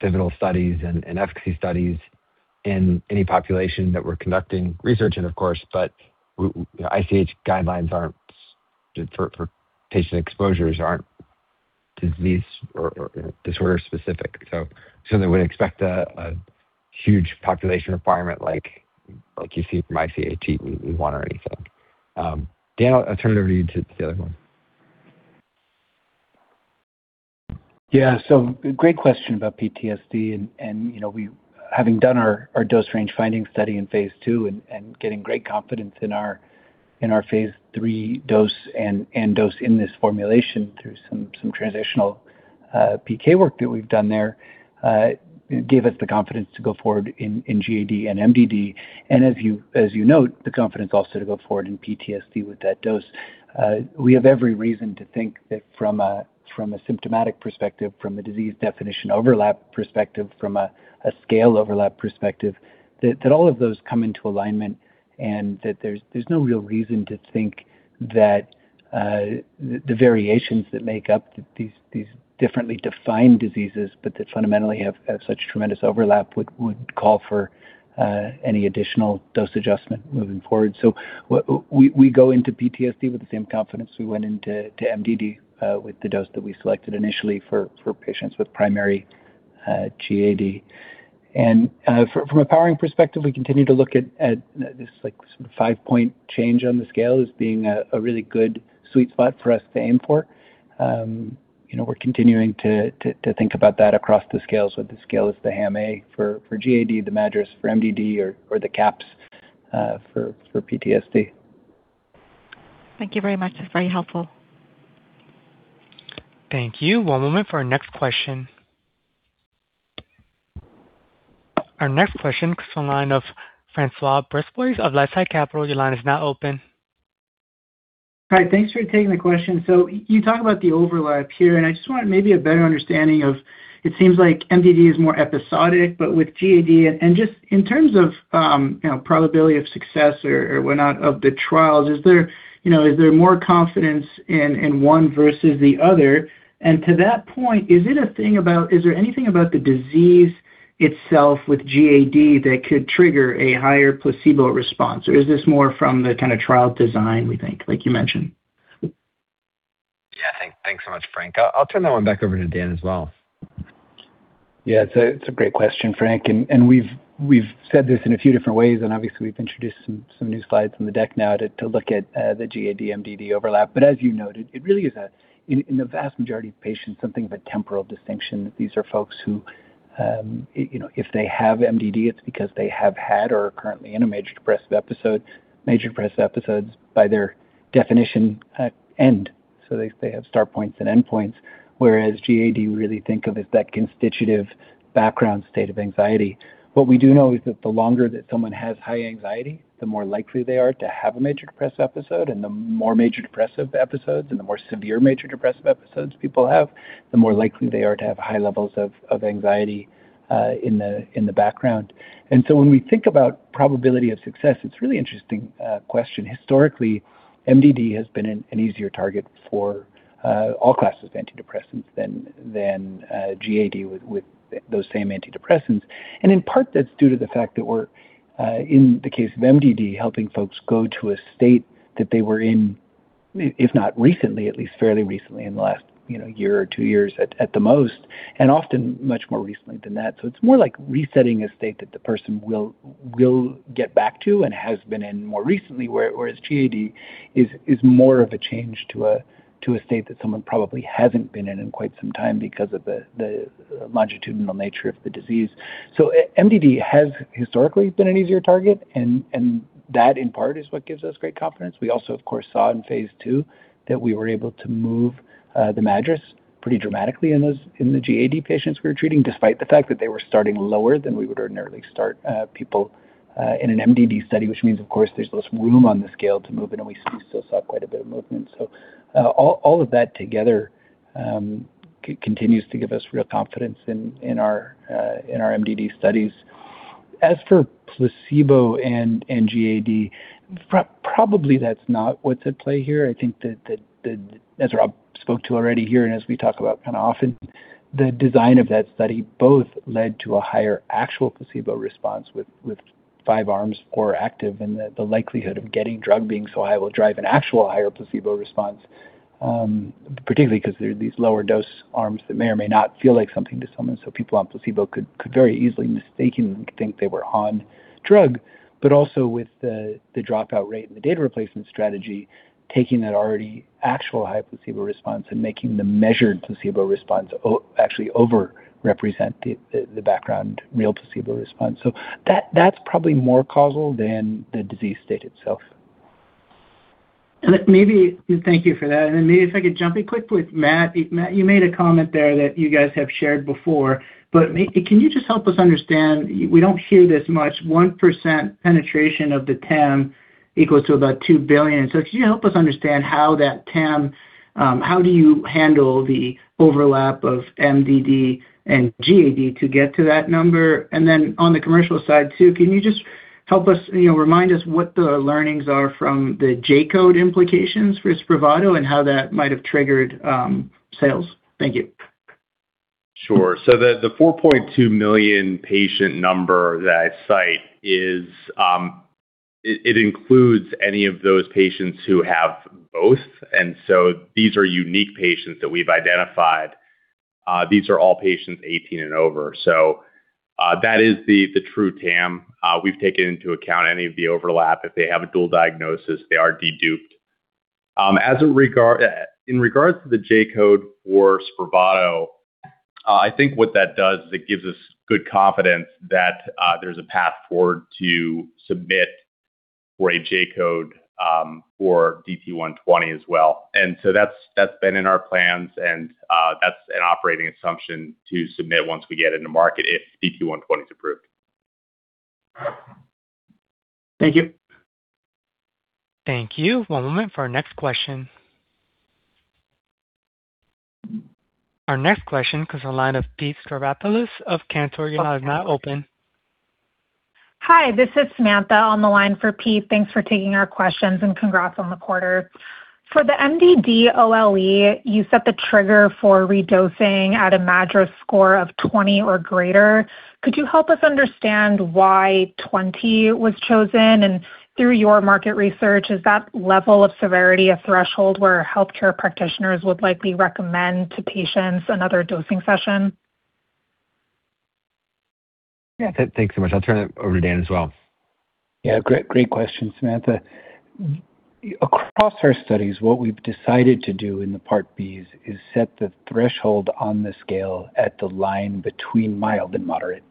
Speaker 2: pivotal studies and efficacy studies in any population that we're conducting research in, of course. ICH guidelines aren't specific for patient exposures, aren't disease or disorder specific. Certainly would expect a huge population requirement like you see from ICH E1 or anything. Dan, I'll turn it over to you to the other one.
Speaker 3: Yeah. Great question about PTSD and, you know, having done our dose range finding study in phase II and getting great confidence in our phase III dose and dose in this formulation through some transitional PK work that we've done there, gave us the confidence to go forward in GAD and MDD. As you note, the confidence also to go forward in PTSD with that dose. We have every reason to think that from a symptomatic perspective, from a disease definition overlap perspective, from a scale overlap perspective, that all of those come into alignment and that there's no real reason to think that the variations that make up these differently defined diseases, but that fundamentally have such tremendous overlap would call for any additional dose adjustment moving forward. We go into PTSD with the same confidence we went into to MDD with the dose that we selected initially for patients with primary GAD. From a powering perspective, we continue to look at this like five-point change on the scale as being a really good sweet spot for us to aim for. You know, we're continuing to think about that across the scales, whether the scale is the HAM-A for GAD, the MADRS for MDD or the CAPS for PTSD.
Speaker 10: Thank you very much. That's very helpful.
Speaker 6: Thank you. One moment for our next question. Our next question comes from the line of François Brisebois of LifeSci Capital. Your line is now open.
Speaker 11: Hi. Thanks for taking the question. You talk about the overlap here, and I just want maybe a better understanding of it seems like MDD is more episodic, but with GAD and just in terms of, you know, probability of success or whatnot of the trials, is there, you know, is there more confidence in one versus the other? To that point, is there anything about the disease itself with GAD that could trigger a higher placebo response, or is this more from the kind of trial design, we think, like you mentioned?
Speaker 2: Yeah. Thanks so much, Frank. I'll turn that one back over to Dan as well.
Speaker 3: Yeah. It's a great question, Frank. We've said this in a few different ways, obviously we've introduced some new slides from the deck now to look at the GAD MDD overlap. As you noted, it really is in the vast majority of patients, something of a temporal distinction that these are folks who, you know, if they have MDD, it's because they have had or are currently in a major depressive episode. Major depressive episodes by their definition end, they have start points and end points, whereas GAD you really think of as that constitutive background state of anxiety. What we do know is that the longer that someone has high anxiety, the more likely they are to have a major depressive episode. The more major depressive episodes and the more severe major depressive episodes people have, the more likely they are to have high levels of anxiety in the background. When we think about probability of success, it's a really interesting question. Historically, MDD has been an easier target for all classes of antidepressants than GAD with those same antidepressants. In part, that's due to the fact that we're in the case of MDD, helping folks go to a state that they were in if not recently, at least fairly recently in the last, you know, year or two years at the most, and often much more recently than that. It's more like resetting a state that the person will get back to and has been in more recently, whereas GAD is more of a change to a state that someone probably hasn't been in in quite some time because of the longitudinal nature of the disease. MDD has historically been an easier target and that in part is what gives us great confidence. We also, of course, saw in phase II that we were able to move the MADRS pretty dramatically in the GAD patients we were treating, despite the fact that they were starting lower than we would ordinarily start people in an MDD study. Which means, of course, there's less room on the scale to move in, and we still saw quite a bit of movement. All of that together continues to give us real confidence in our MDD studies. As for placebo and GAD, probably that's not what's at play here. I think that as Rob spoke to already here and as we talk about kind of often, the design of that study both led to a higher actual placebo response with five arms or active, and the likelihood of getting drug being so high will drive an actual higher placebo response. Particularly 'cause there are these lower dose arms that may or may not feel like something to someone, so people on placebo could very easily mistakenly think they were on drug. Also with the dropout rate and the data replacement strategy, taking that already actual high placebo response and making the measured placebo response, actually overrepresent the background real placebo response. That's probably more causal than the disease state itself.
Speaker 11: Thank you for that. Maybe if I could jump in quick with Matt. Matt, you made a comment there that you guys have shared before, can you just help us understand, we don't hear this much, 1% penetration of the TAM equals to about $2 billion. Can you help us understand how that TAM, how do you handle the overlap of MDD and GAD to get to that number? On the commercial side too, can you just help us, you know, remind us what the learnings are from the J-code implications for SPRAVATO and how that might have triggered sales? Thank you.
Speaker 4: Sure. The 4.2 million patient number that I cite is, it includes any of those patients who have both. These are unique patients that we've identified. These are all patients 18 and over. That is the true TAM. We've taken into account any of the overlap. If they have a dual diagnosis, they are deduped. In regards to the J-code for SPRAVATO, I think what that does is it gives us good confidence that there's a path forward to submit for a J-code for DT120 as well. That's been in our plans and that's an operating assumption to submit once we get into market if DT120 is approved.
Speaker 11: Thank you.
Speaker 6: Thank you. One moment for our next question. Our next question comes from the line of Pete Stavropoulos of Cantor. Your line is now open.
Speaker 12: Hi, this is Samantha on the line for Pete. Thanks for taking our questions, and congrats on the quarter. For the MDD OLE, you set the trigger for redosing at a MADRS score of 20 or greater. Could you help us understand why 20 was chosen? Through your market research, is that level of severity a threshold where healthcare practitioners would likely recommend to patients another dosing session?
Speaker 2: Yeah. Thanks so much. I'll turn it over to Dan as well.
Speaker 3: Yeah, great question, Samantha. Across our studies, what we've decided to do in the part Bs is set the threshold on the scale at the line between mild and moderate.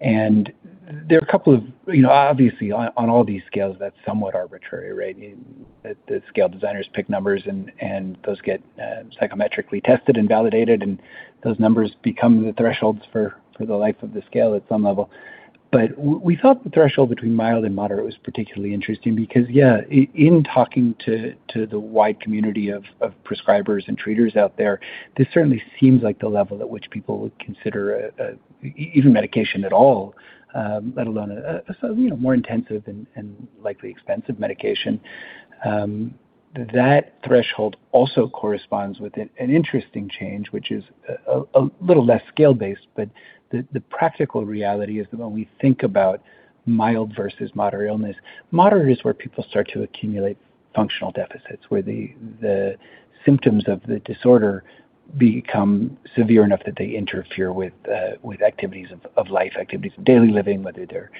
Speaker 3: There are a couple. You know, obviously on all these scales, that's somewhat arbitrary, right? The scale designers pick numbers and those get psychometrically tested and validated, and those numbers become the thresholds for the life of the scale at some level. We thought the threshold between mild and moderate was particularly interesting because, yeah, in talking to the wide community of prescribers and treaters out there, this certainly seems like the level at which people would consider even medication at all, let alone a, you know, more intensive and likely expensive medication. That threshold also corresponds with an interesting change, which is a little less scale-based, but the practical reality is that when we think about mild versus moderate illness, moderate is where people start to accumulate functional deficits, where the symptoms of the disorder become severe enough that they interfere with activities of life, activities of daily living, whether they're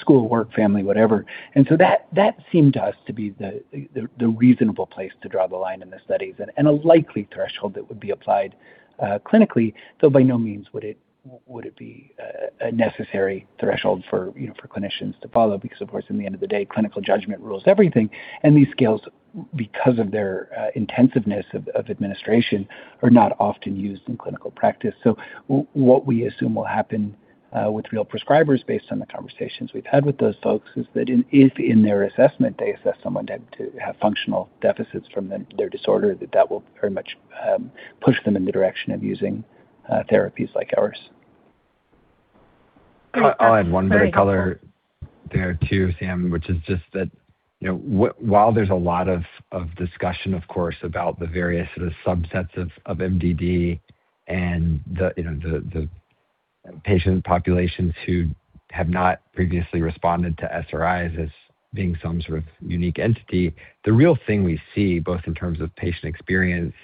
Speaker 3: school, work, family, whatever. That seemed to us to be the reasonable place to draw the line in the studies and a likely threshold that would be applied clinically, though by no means would it be a necessary threshold for clinicians to follow. Of course, in the end of the day, clinical judgment rules everything. These scales, because of their intensiveness of administration, are not often used in clinical practice. What we assume will happen with real prescribers based on the conversations we've had with those folks is that if in their assessment they assess someone to have functional deficits from their disorder, that will very much push them in the direction of using therapies like ours.
Speaker 12: Great.
Speaker 2: I'll add one bit of color there too, Sam, which is just that, you know, while there's a lot of discussion, of course, about the various sort of subsets of MDD and the, you know, the patient populations who have not previously responded to SRIs as being some sort of unique entity, the real thing we see, both in terms of patient experience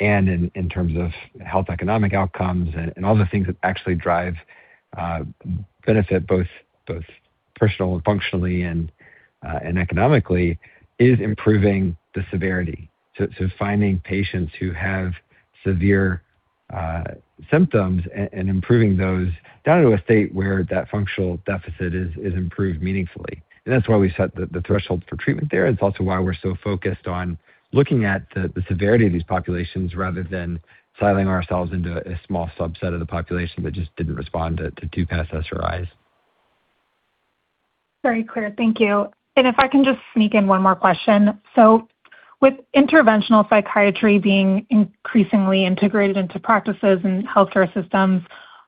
Speaker 2: and in terms of health economic outcomes, and all the things that actually drive benefit both personal and functionally and economically, is improving the severity. Finding patients who have severe symptoms and improving those down to a state where that functional deficit is improved meaningfully. That's why we set the threshold for treatment there. It's also why we're so focused on looking at the severity of these populations rather than siloing ourselves into a small subset of the population that just didn't respond to two past SRIs.
Speaker 12: Very clear. Thank you. If I can just sneak in one more question. With interventional psychiatry being increasingly integrated into practices and healthcare systems,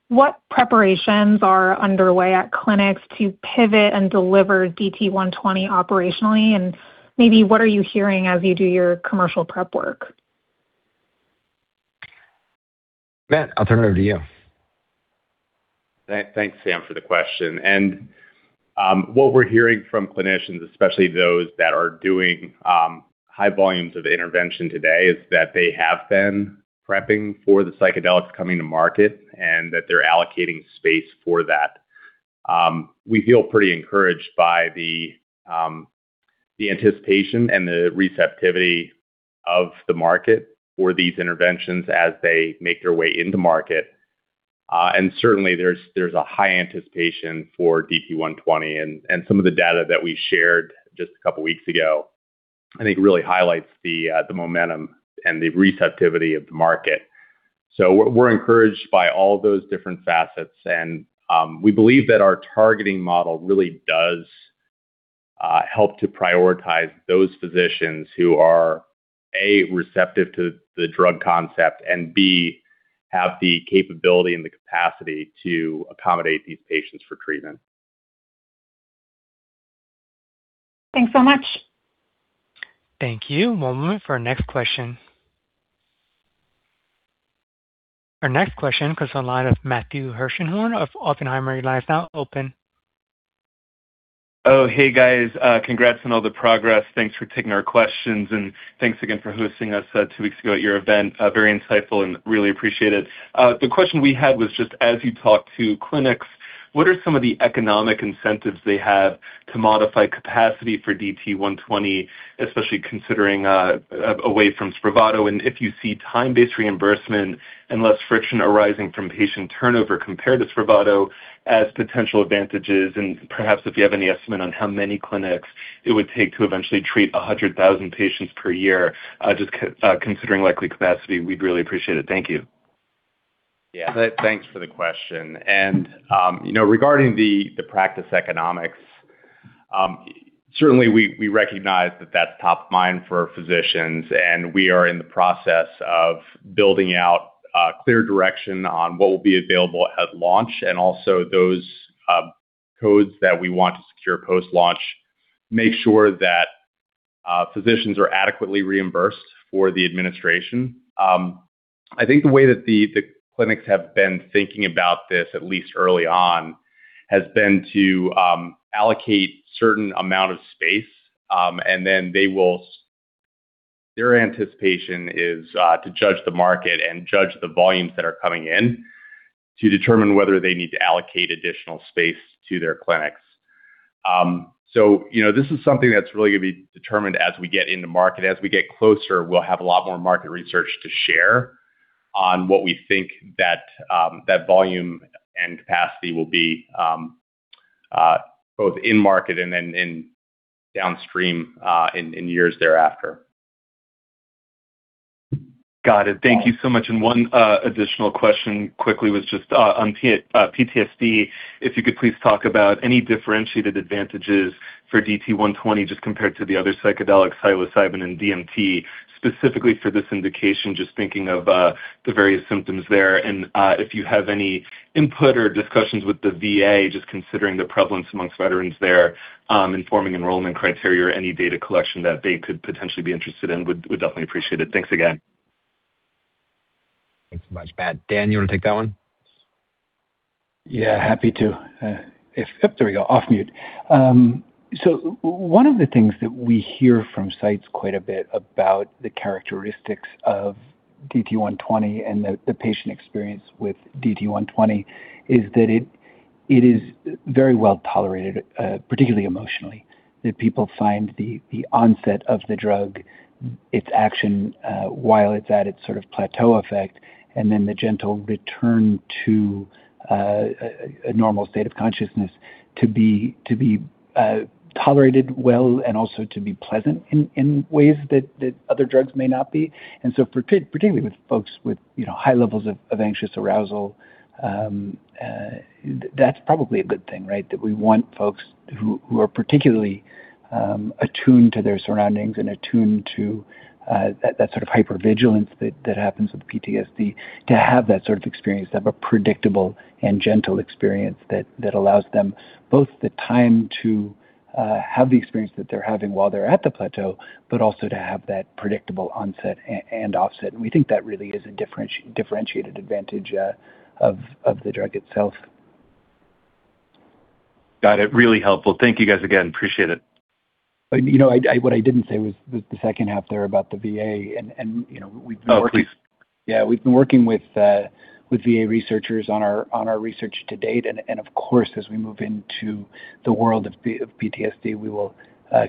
Speaker 12: what preparations are underway at clinics to pivot and deliver DT120 operationally? Maybe what are you hearing as you do your commercial prep work?
Speaker 2: Matt, I'll turn it over to you.
Speaker 4: Thanks, Sam, for the question. What we're hearing from clinicians, especially those that are doing high volumes of intervention today, is that they have been prepping for the psychedelics coming to market and that they're allocating space for that. We feel pretty encouraged by the anticipation and the receptivity of the market for these interventions as they make their way into market. Certainly there's a high anticipation for DT120 and some of the data that we shared just a couple of weeks ago, I think really highlights the momentum and the receptivity of the market. We're encouraged by all those different facets and we believe that our targeting model really does help to prioritize those physicians who are, A, receptive to the drug concept and, B, have the capability and the capacity to accommodate these patients for treatment.
Speaker 12: Thanks so much.
Speaker 6: Thank you. One moment for our next question. Our next question comes on the line of Matthew Hershenhorn of Oppenheimer. Your line is now open.
Speaker 13: Hey, guys. Congrats on all the progress. Thanks for taking our questions, and thanks again for hosting us two weeks ago at your event. Very insightful and really appreciate it. The question we had was just as you talk to clinics, what are some of the economic incentives they have to modify capacity for DT120, especially considering away from SPRAVATO? If you see time-based reimbursement and less friction arising from patient turnover compared to SPRAVATO as potential advantages, and perhaps if you have any estimate on how many clinics it would take to eventually treat 100,000 patients per year, just considering likely capacity, we'd really appreciate it. Thank you.
Speaker 4: Yeah. Thanks for the question. You know, regarding the practice economics, certainly we recognize that that's top of mind for physicians, and we are in the process of building out clear direction on what will be available at launch and also those codes that we want to secure post-launch, make sure that physicians are adequately reimbursed for the administration. I think the way that the clinics have been thinking about this, at least early on, has been to allocate certain amount of space, and then their anticipation is to judge the market and judge the volumes that are coming in to determine whether they need to allocate additional space to their clinics. You know, this is something that's really gonna be determined as we get into market. As we get closer, we'll have a lot more market research to share on what we think that volume and capacity will be, both in market and then in downstream, in years thereafter.
Speaker 13: Got it. Thank you so much. One additional question quickly was just on PTSD, if you could please talk about any differentiated advantages for DT120 just compared to the other psychedelics, psilocybin and DMT, specifically for this indication, just thinking of the various symptoms there. If you have any input or discussions with the VA, just considering the prevalence amongst veterans there, informing enrollment criteria or any data collection that they could potentially be interested in, would definitely appreciate it. Thanks again.
Speaker 2: Thanks so much, Matt. Dan, you wanna take that one?
Speaker 3: Yeah, happy to. There we go. Off mute. One of the things that we hear from sites quite a bit about the characteristics of DT120 and the patient experience with DT120 is that it is very well tolerated, particularly emotionally. That people find the onset of the drug, its action, while it's at its sort of plateau effect, and then the gentle return to a normal state of consciousness to be tolerated well and also to be pleasant in ways that other drugs may not be. Particularly with folks with, you know, high levels of anxious arousal, that's probably a good thing, right? That we want folks who are particularly attuned to their surroundings and attuned to that sort of hypervigilance that happens with PTSD to have that sort of experience, to have a predictable and gentle experience that allows them both the time to have the experience that they're having while they're at the plateau, but also to have that predictable onset and offset. We think that really is a differentiated advantage of the drug itself.
Speaker 13: Got it. Really helpful. Thank you guys again. Appreciate it.
Speaker 3: You know, I what I didn't say was the second half there about the VA and, you know, we've been working.
Speaker 13: Oh, please.
Speaker 3: Yeah. We've been working with VA researchers on our research to date. Of course, as we move into the world of PTSD, we will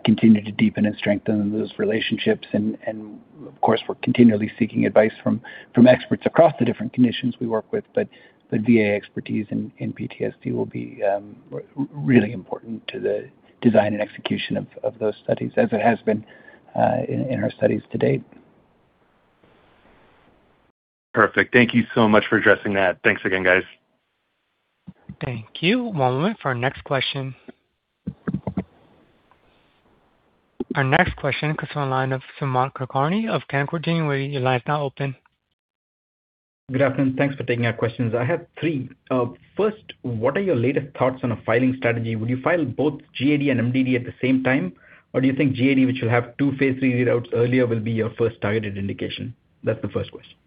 Speaker 3: continue to deepen and strengthen those relationships. Of course, we're continually seeking advice from experts across the different conditions we work with. The VA expertise in PTSD will be really important to the design and execution of those studies as it has been in our studies to date.
Speaker 13: Perfect. Thank you so much for addressing that. Thanks again, guys.
Speaker 6: Thank you. One moment for our next question. Our next question comes from the line of Sumant Kulkarni of Canaccord Genuity. Your line is now open.
Speaker 14: Good afternoon. Thanks for taking our questions. I have three. First, what are your latest thoughts on a filing strategy? Will you file both GAD and MDD at the same time, or do you think GAD, which will have two phase III readouts earlier, will be your first targeted indication? That's the first question.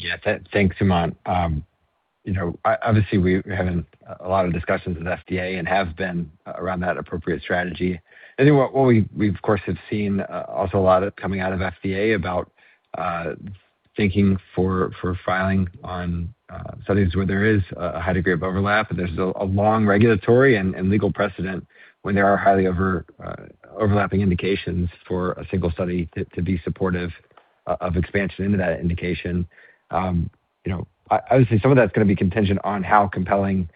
Speaker 2: Yeah. Thanks, Sumant. You know, obviously we're having a lot of discussions with FDA and have been around that appropriate strategy. I think what we've of course have seen also a lot coming out of FDA about thinking for filing on studies where there is a high degree of overlap. There's a long regulatory and legal precedent when there are highly overlapping indications for a single study to be supportive of expansion into that indication. You know, obviously some of that's gonna be contingent on how compelling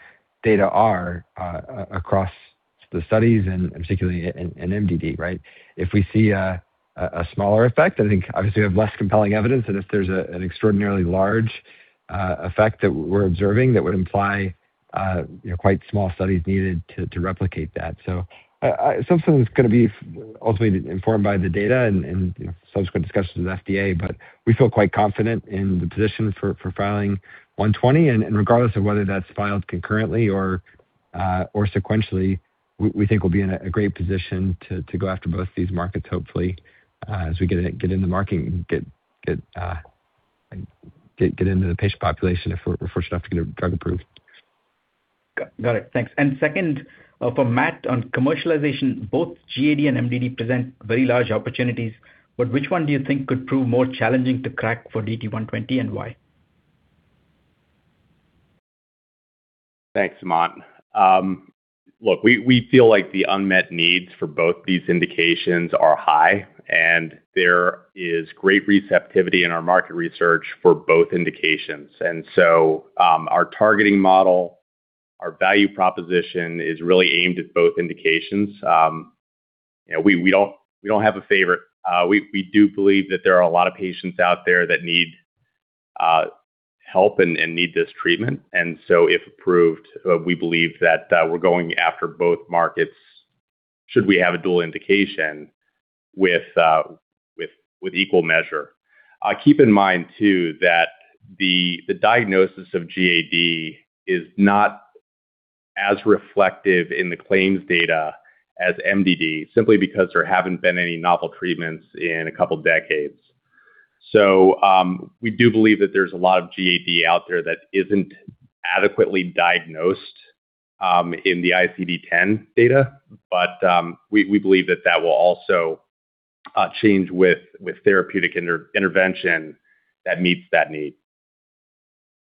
Speaker 2: data are across the studies and particularly in MDD, right? If we see a smaller effect, I think obviously we have less compelling evidence than if there's an extraordinarily large effect that we're observing that would imply, you know, quite small studies needed to replicate that. Some of it's gonna be ultimately informed by the data and subsequent discussions with FDA, but we feel quite confident in the position for filing DT120. Regardless of whether that's filed concurrently or sequentially, we think we'll be in a great position to go after both these markets hopefully, as we get in the market and get into the patient population if we're fortunate enough to get a drug approved.
Speaker 14: Got it. Thanks. Second, for Matt on commercialization, both GAD and MDD present very large opportunities, but which one do you think could prove more challenging to crack for DT120 and why?
Speaker 4: Thanks, Sumant. Look, we feel like the unmet needs for both these indications are high, and there is great receptivity in our market research for both indications. Our targeting model, our value proposition is really aimed at both indications. You know, we don't have a favorite. We do believe that there are a lot of patients out there that need help and need this treatment. If approved, we believe that we're going after both markets should we have a dual indication with equal measure. Keep in mind too that the diagnosis of GAD is not as reflective in the claims data as MDD simply because there haven't been any novel treatments in a couple decades. We do believe that there's a lot of GAD out there that isn't adequately diagnosed in the ICD-10 data. We believe that that will also change with therapeutic intervention that meets that need.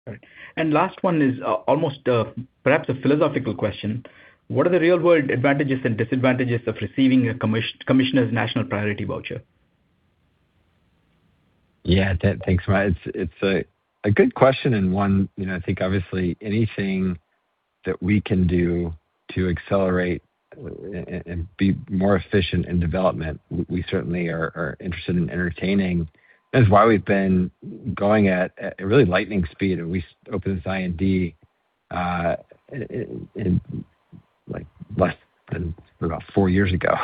Speaker 14: All right. Last one is almost perhaps a philosophical question. What are the real world advantages and disadvantages of receiving a commissioner's national priority voucher?
Speaker 2: Yeah. Thanks, Sumant. It's a good question, one, you know, I think obviously anything that we can do to accelerate and be more efficient in development, we certainly are interested in entertaining. That's why we've been going at a really lightning speed, and we opened this IND in like less than about four years ago.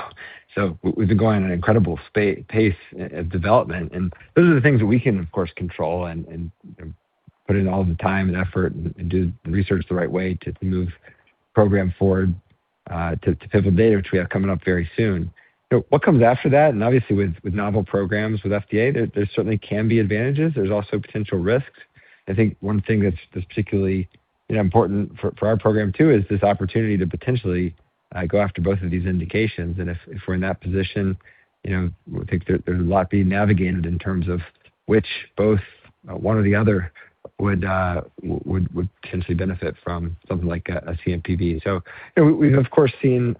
Speaker 2: We've been going at an incredible pace of development. Those are the things that we can of course control and, you know, put in all the time and effort and do the research the right way to move program forward to pivotal data, which we have coming up very soon. What comes after that, obviously with novel programs with FDA, there certainly can be advantages. There's also potential risks. I think one thing that's particularly, you know, important for our program too is this opportunity to potentially go after both of these indications. If we're in that position, you know, I think there's a lot being navigated in terms of which both one or the other would potentially benefit from something like a CMPV. You know, we've of course seen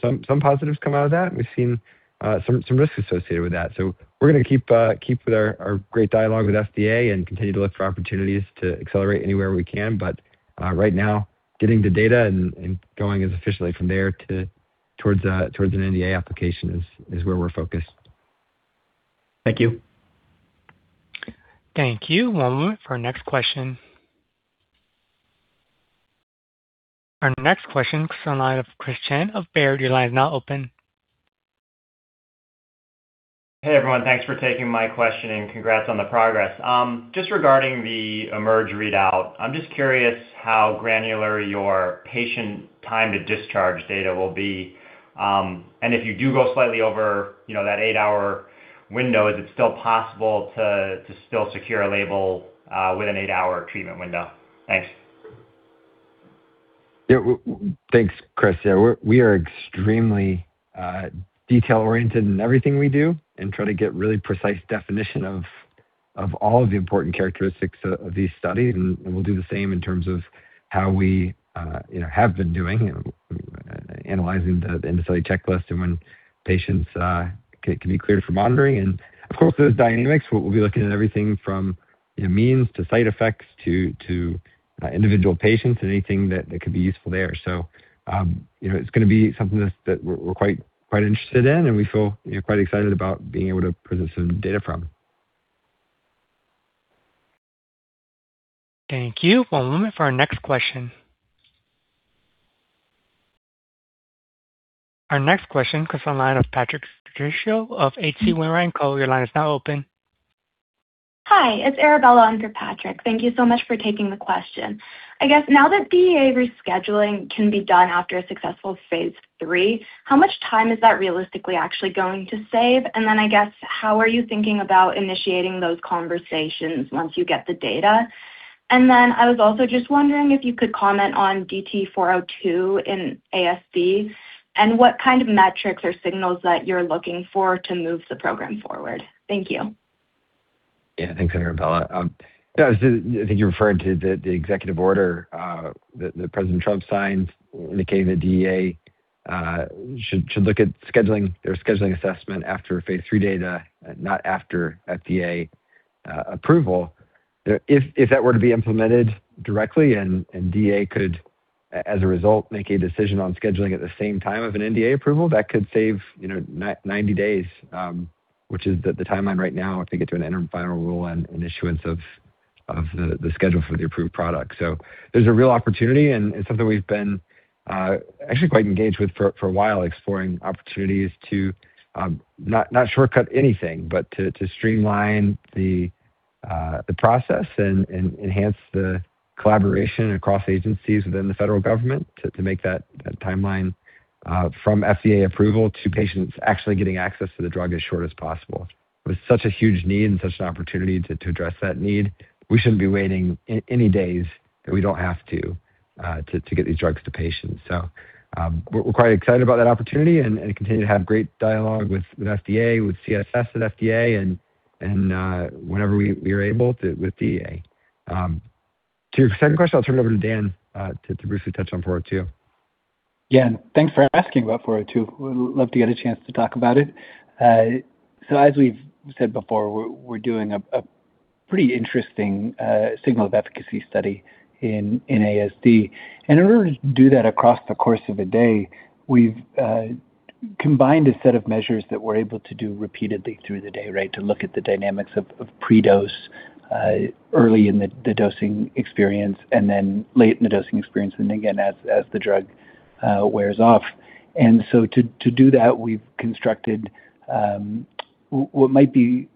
Speaker 2: some positives come out of that. We've seen some risks associated with that. We're gonna keep with our great dialogue with FDA and continue to look for opportunities to accelerate anywhere we can. Right now, getting the data and going as efficiently from there to towards an NDA application is where we're focused.
Speaker 14: Thank you.
Speaker 6: Thank you. One moment for our next question. Our next question comes from the line of Chris Chen of Baird. Your line is now open.
Speaker 15: Hey, everyone. Thanks for taking my question, and congrats on the progress. Just regarding the Emerge readout, I'm just curious how granular your patient time to discharge data will be? If you do go slightly over, you know, that eight-hour window, is it still possible to still secure a label with an eight-hour treatment window? Thanks.
Speaker 2: Yeah. Thanks, Chris. We are extremely detail-oriented in everything we do and try to get really precise definition of all of the important characteristics of these studies. We'll do the same in terms of how we, you know, have been doing analyzing the end-of-study checklist and when patients can be cleared for monitoring. Of course, those dynamics, we'll be looking at everything from, you know, means to side effects to individual patients and anything that could be useful there. You know, it's going to be something that we're quite interested in, and we feel, you know, quite excited about being able to present some data from.
Speaker 6: Thank you. One moment for our next question. Our next question comes from the line of Patrick Trucchio of H.C. Wainwright & Co. Your line is now open.
Speaker 16: Hi, it's Arabella on for Patrick. Thank you so much for taking the question. I guess now that DEA rescheduling can be done after a successful phase III, how much time is that realistically actually going to save? I guess, how are you thinking about initiating those conversations once you get the data? I was also just wondering if you could comment on DT402 in ASD, and what kind of metrics or signals that you're looking for to move the program forward. Thank you.
Speaker 2: Thanks, Arabella. I think you're referring to the executive order that President Trump signed indicating the DEA should look at their scheduling assessment after phase III data, not after FDA approval. If that were to be implemented directly and DEA could, as a result, make a decision on scheduling at the same time of an NDA approval, that could save, you know, 90 days, which is the timeline right now to get to an interim final rule and an issuance of the schedule for the approved product. There's a real opportunity and something we've been actually quite engaged with for a while, exploring opportunities to not shortcut anything, but to streamline the process and enhance the collaboration across agencies within the federal government to make that timeline from FDA approval to patients actually getting access to the drug as short as possible. With such a huge need and such an opportunity to address that need, we shouldn't be waiting any days that we don't have to get these drugs to patients. We're quite excited about that opportunity and continue to have great dialogue with FDA, with CSS at FDA and whenever we are able to with DEA. To your second question, I'll turn it over to Dan to briefly touch on DT402.
Speaker 3: Yeah. Thanks for asking about DT402. We'd love to get a chance to talk about it. As we've said before, we're doing a pretty interesting signal of efficacy study in ASD. In order to do that across the course of a day, we've combined a set of measures that we're able to do repeatedly through the day, right? To look at the dynamics of pre-dose, early in the dosing experience, late in the dosing experience, again, as the drug wears off. To do that, we've constructed what might be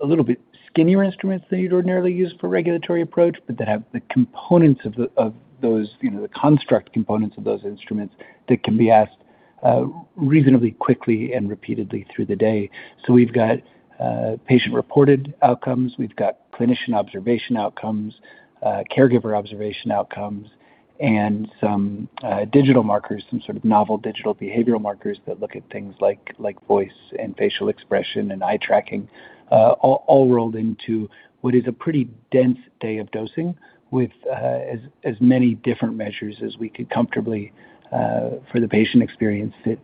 Speaker 3: a little bit skinnier instruments than you'd ordinarily use for regulatory approach, but that have the components of those, you know, the construct components of those instruments that can be asked reasonably quickly and repeatedly through the day. We've got patient-reported outcomes, we've got clinician observation outcomes, caregiver observation outcomes, and some digital markers, some sort of novel digital behavioral markers that look at things like voice and facial expression and eye tracking, all rolled into what is a pretty dense day of dosing with as many different measures as we could comfortably for the patient experience fit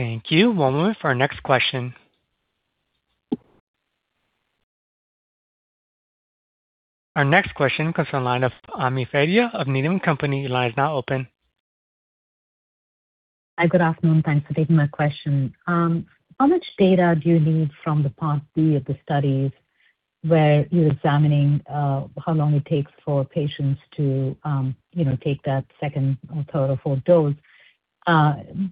Speaker 3: into that dosing day.
Speaker 6: Thank you. One moment for our next question. Our next question comes from the line of Ami Fadia of Needham & Company.
Speaker 17: Hi. Good afternoon. Thanks for taking my question. How much data do you need from the part B of the studies where you're examining how long it takes for patients to, you know, take that second or third or fourth dose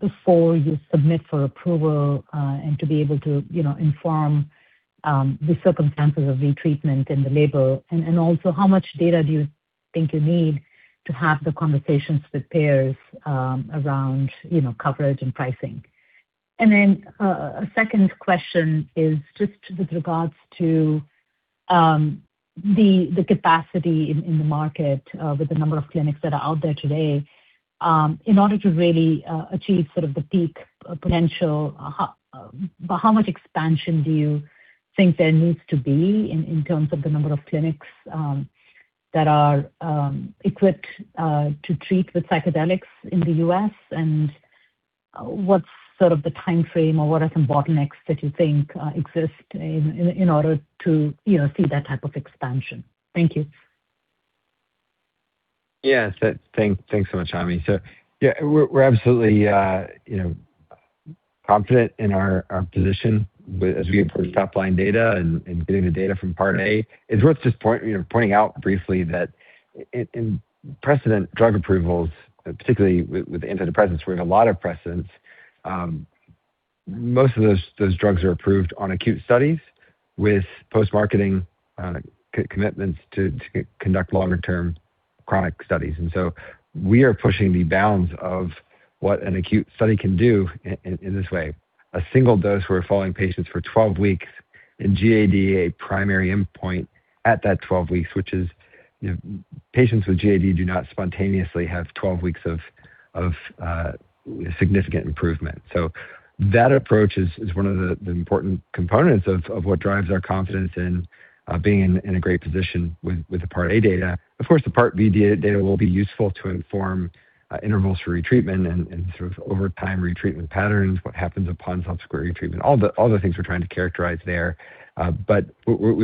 Speaker 17: before you submit for approval and to be able to, you know, inform the circumstances of retreatment in the label? Also, how much data do you think you need to have the conversations with payers around, you know, coverage and pricing? A second question is just with regards to the capacity in the market with the number of clinics that are out there today. In order to really achieve sort of the peak potential, how much expansion do you think there needs to be in terms of the number of clinics that are equipped to treat with psychedelics in the U.S., and what's sort of the timeframe or what are some bottlenecks that you think exist in order to, you know, see that type of expansion? Thank you.
Speaker 2: Yeah. Thanks so much, Ami. Yeah, we're absolutely, you know, confident in our position as we approach top-line data and getting the data from part A. It's worth just pointing, you know, pointing out briefly that in precedent drug approvals, particularly with antidepressants where we have a lot of precedents, most of those drugs are approved on acute studies with post-marketing commitments to conduct longer-term chronic studies. We are pushing the bounds of what an acute study can do in this way. A single dose, we're following patients for 12 weeks and GAD, a primary endpoint at that 12 weeks, which is, you know, patients with GAD do not spontaneously have 12 weeks of significant improvement. That approach is one of the important components of what drives our confidence in being in a great position with the part A data. Of course, the part B data will be useful to inform intervals for retreatment and sort of over time retreatment patterns, what happens upon subsequent retreatment, all the things we're trying to characterize there. We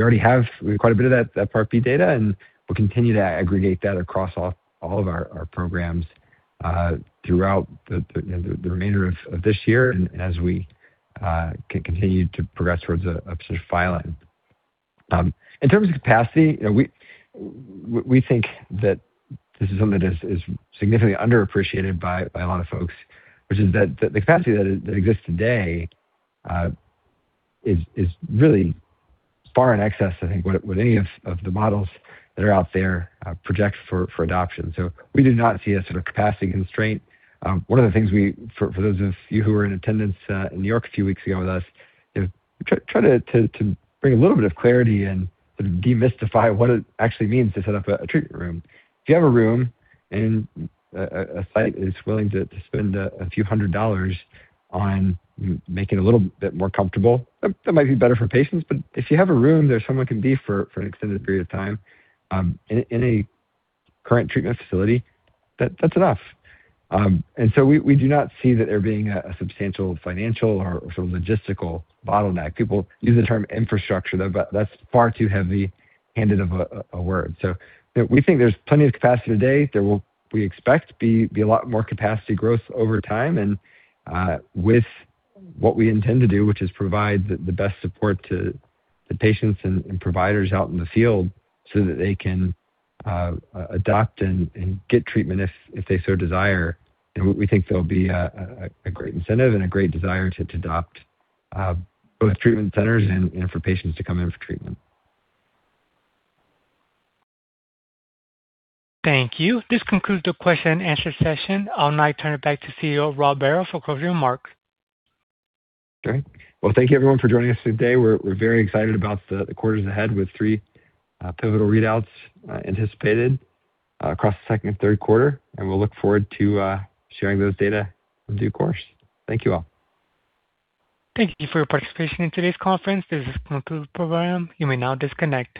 Speaker 2: already have quite a bit of that part B data, and we'll continue to aggregate that across all of our programs throughout the, you know, the remainder of this year and as we continue to progress towards NDA filing. In terms of capacity, you know, we think that this is something that is significantly underappreciated by a lot of folks, which is that the capacity that exists today is really far in excess, I think what any of the models that are out there projects for adoption. We do not see a sort of capacity constraint. One of the things for those of you who were in attendance in New York a few weeks ago with us, is to bring a little bit of clarity and sort of demystify what it actually means to set up a treatment room. If you have a room and a site that is willing to spend a few hundred dollars on making it a little bit more comfortable, that might be better for patients. If you have a room that someone can be for an extended period of time, in a current treatment facility, that's enough. We do not see that there being a substantial financial or sort of logistical bottleneck. People use the term infrastructure, though, that's far too heavy-handed of a word. You know, we think there's plenty of capacity today. There will, we expect, be a lot more capacity growth over time and with what we intend to do, which is provide the best support to the patients and providers out in the field so that they can adopt and get treatment if they so desire. You know, we think there'll be a great incentive and a great desire to adopt both treatment centers and, you know, for patients to come in for treatment.
Speaker 6: Thank you. This concludes the question and answer session. I'll now turn it back to CEO, Rob Barrow, for closing remarks.
Speaker 2: Okay. Well, thank you everyone for joining us today. We're very excited about the quarters ahead with three pivotal readouts anticipated across the second and third quarter. We'll look forward to sharing those data in due course. Thank you all.
Speaker 6: Thank you for your participation in today's conference. This is a concluded program. You may now disconnect.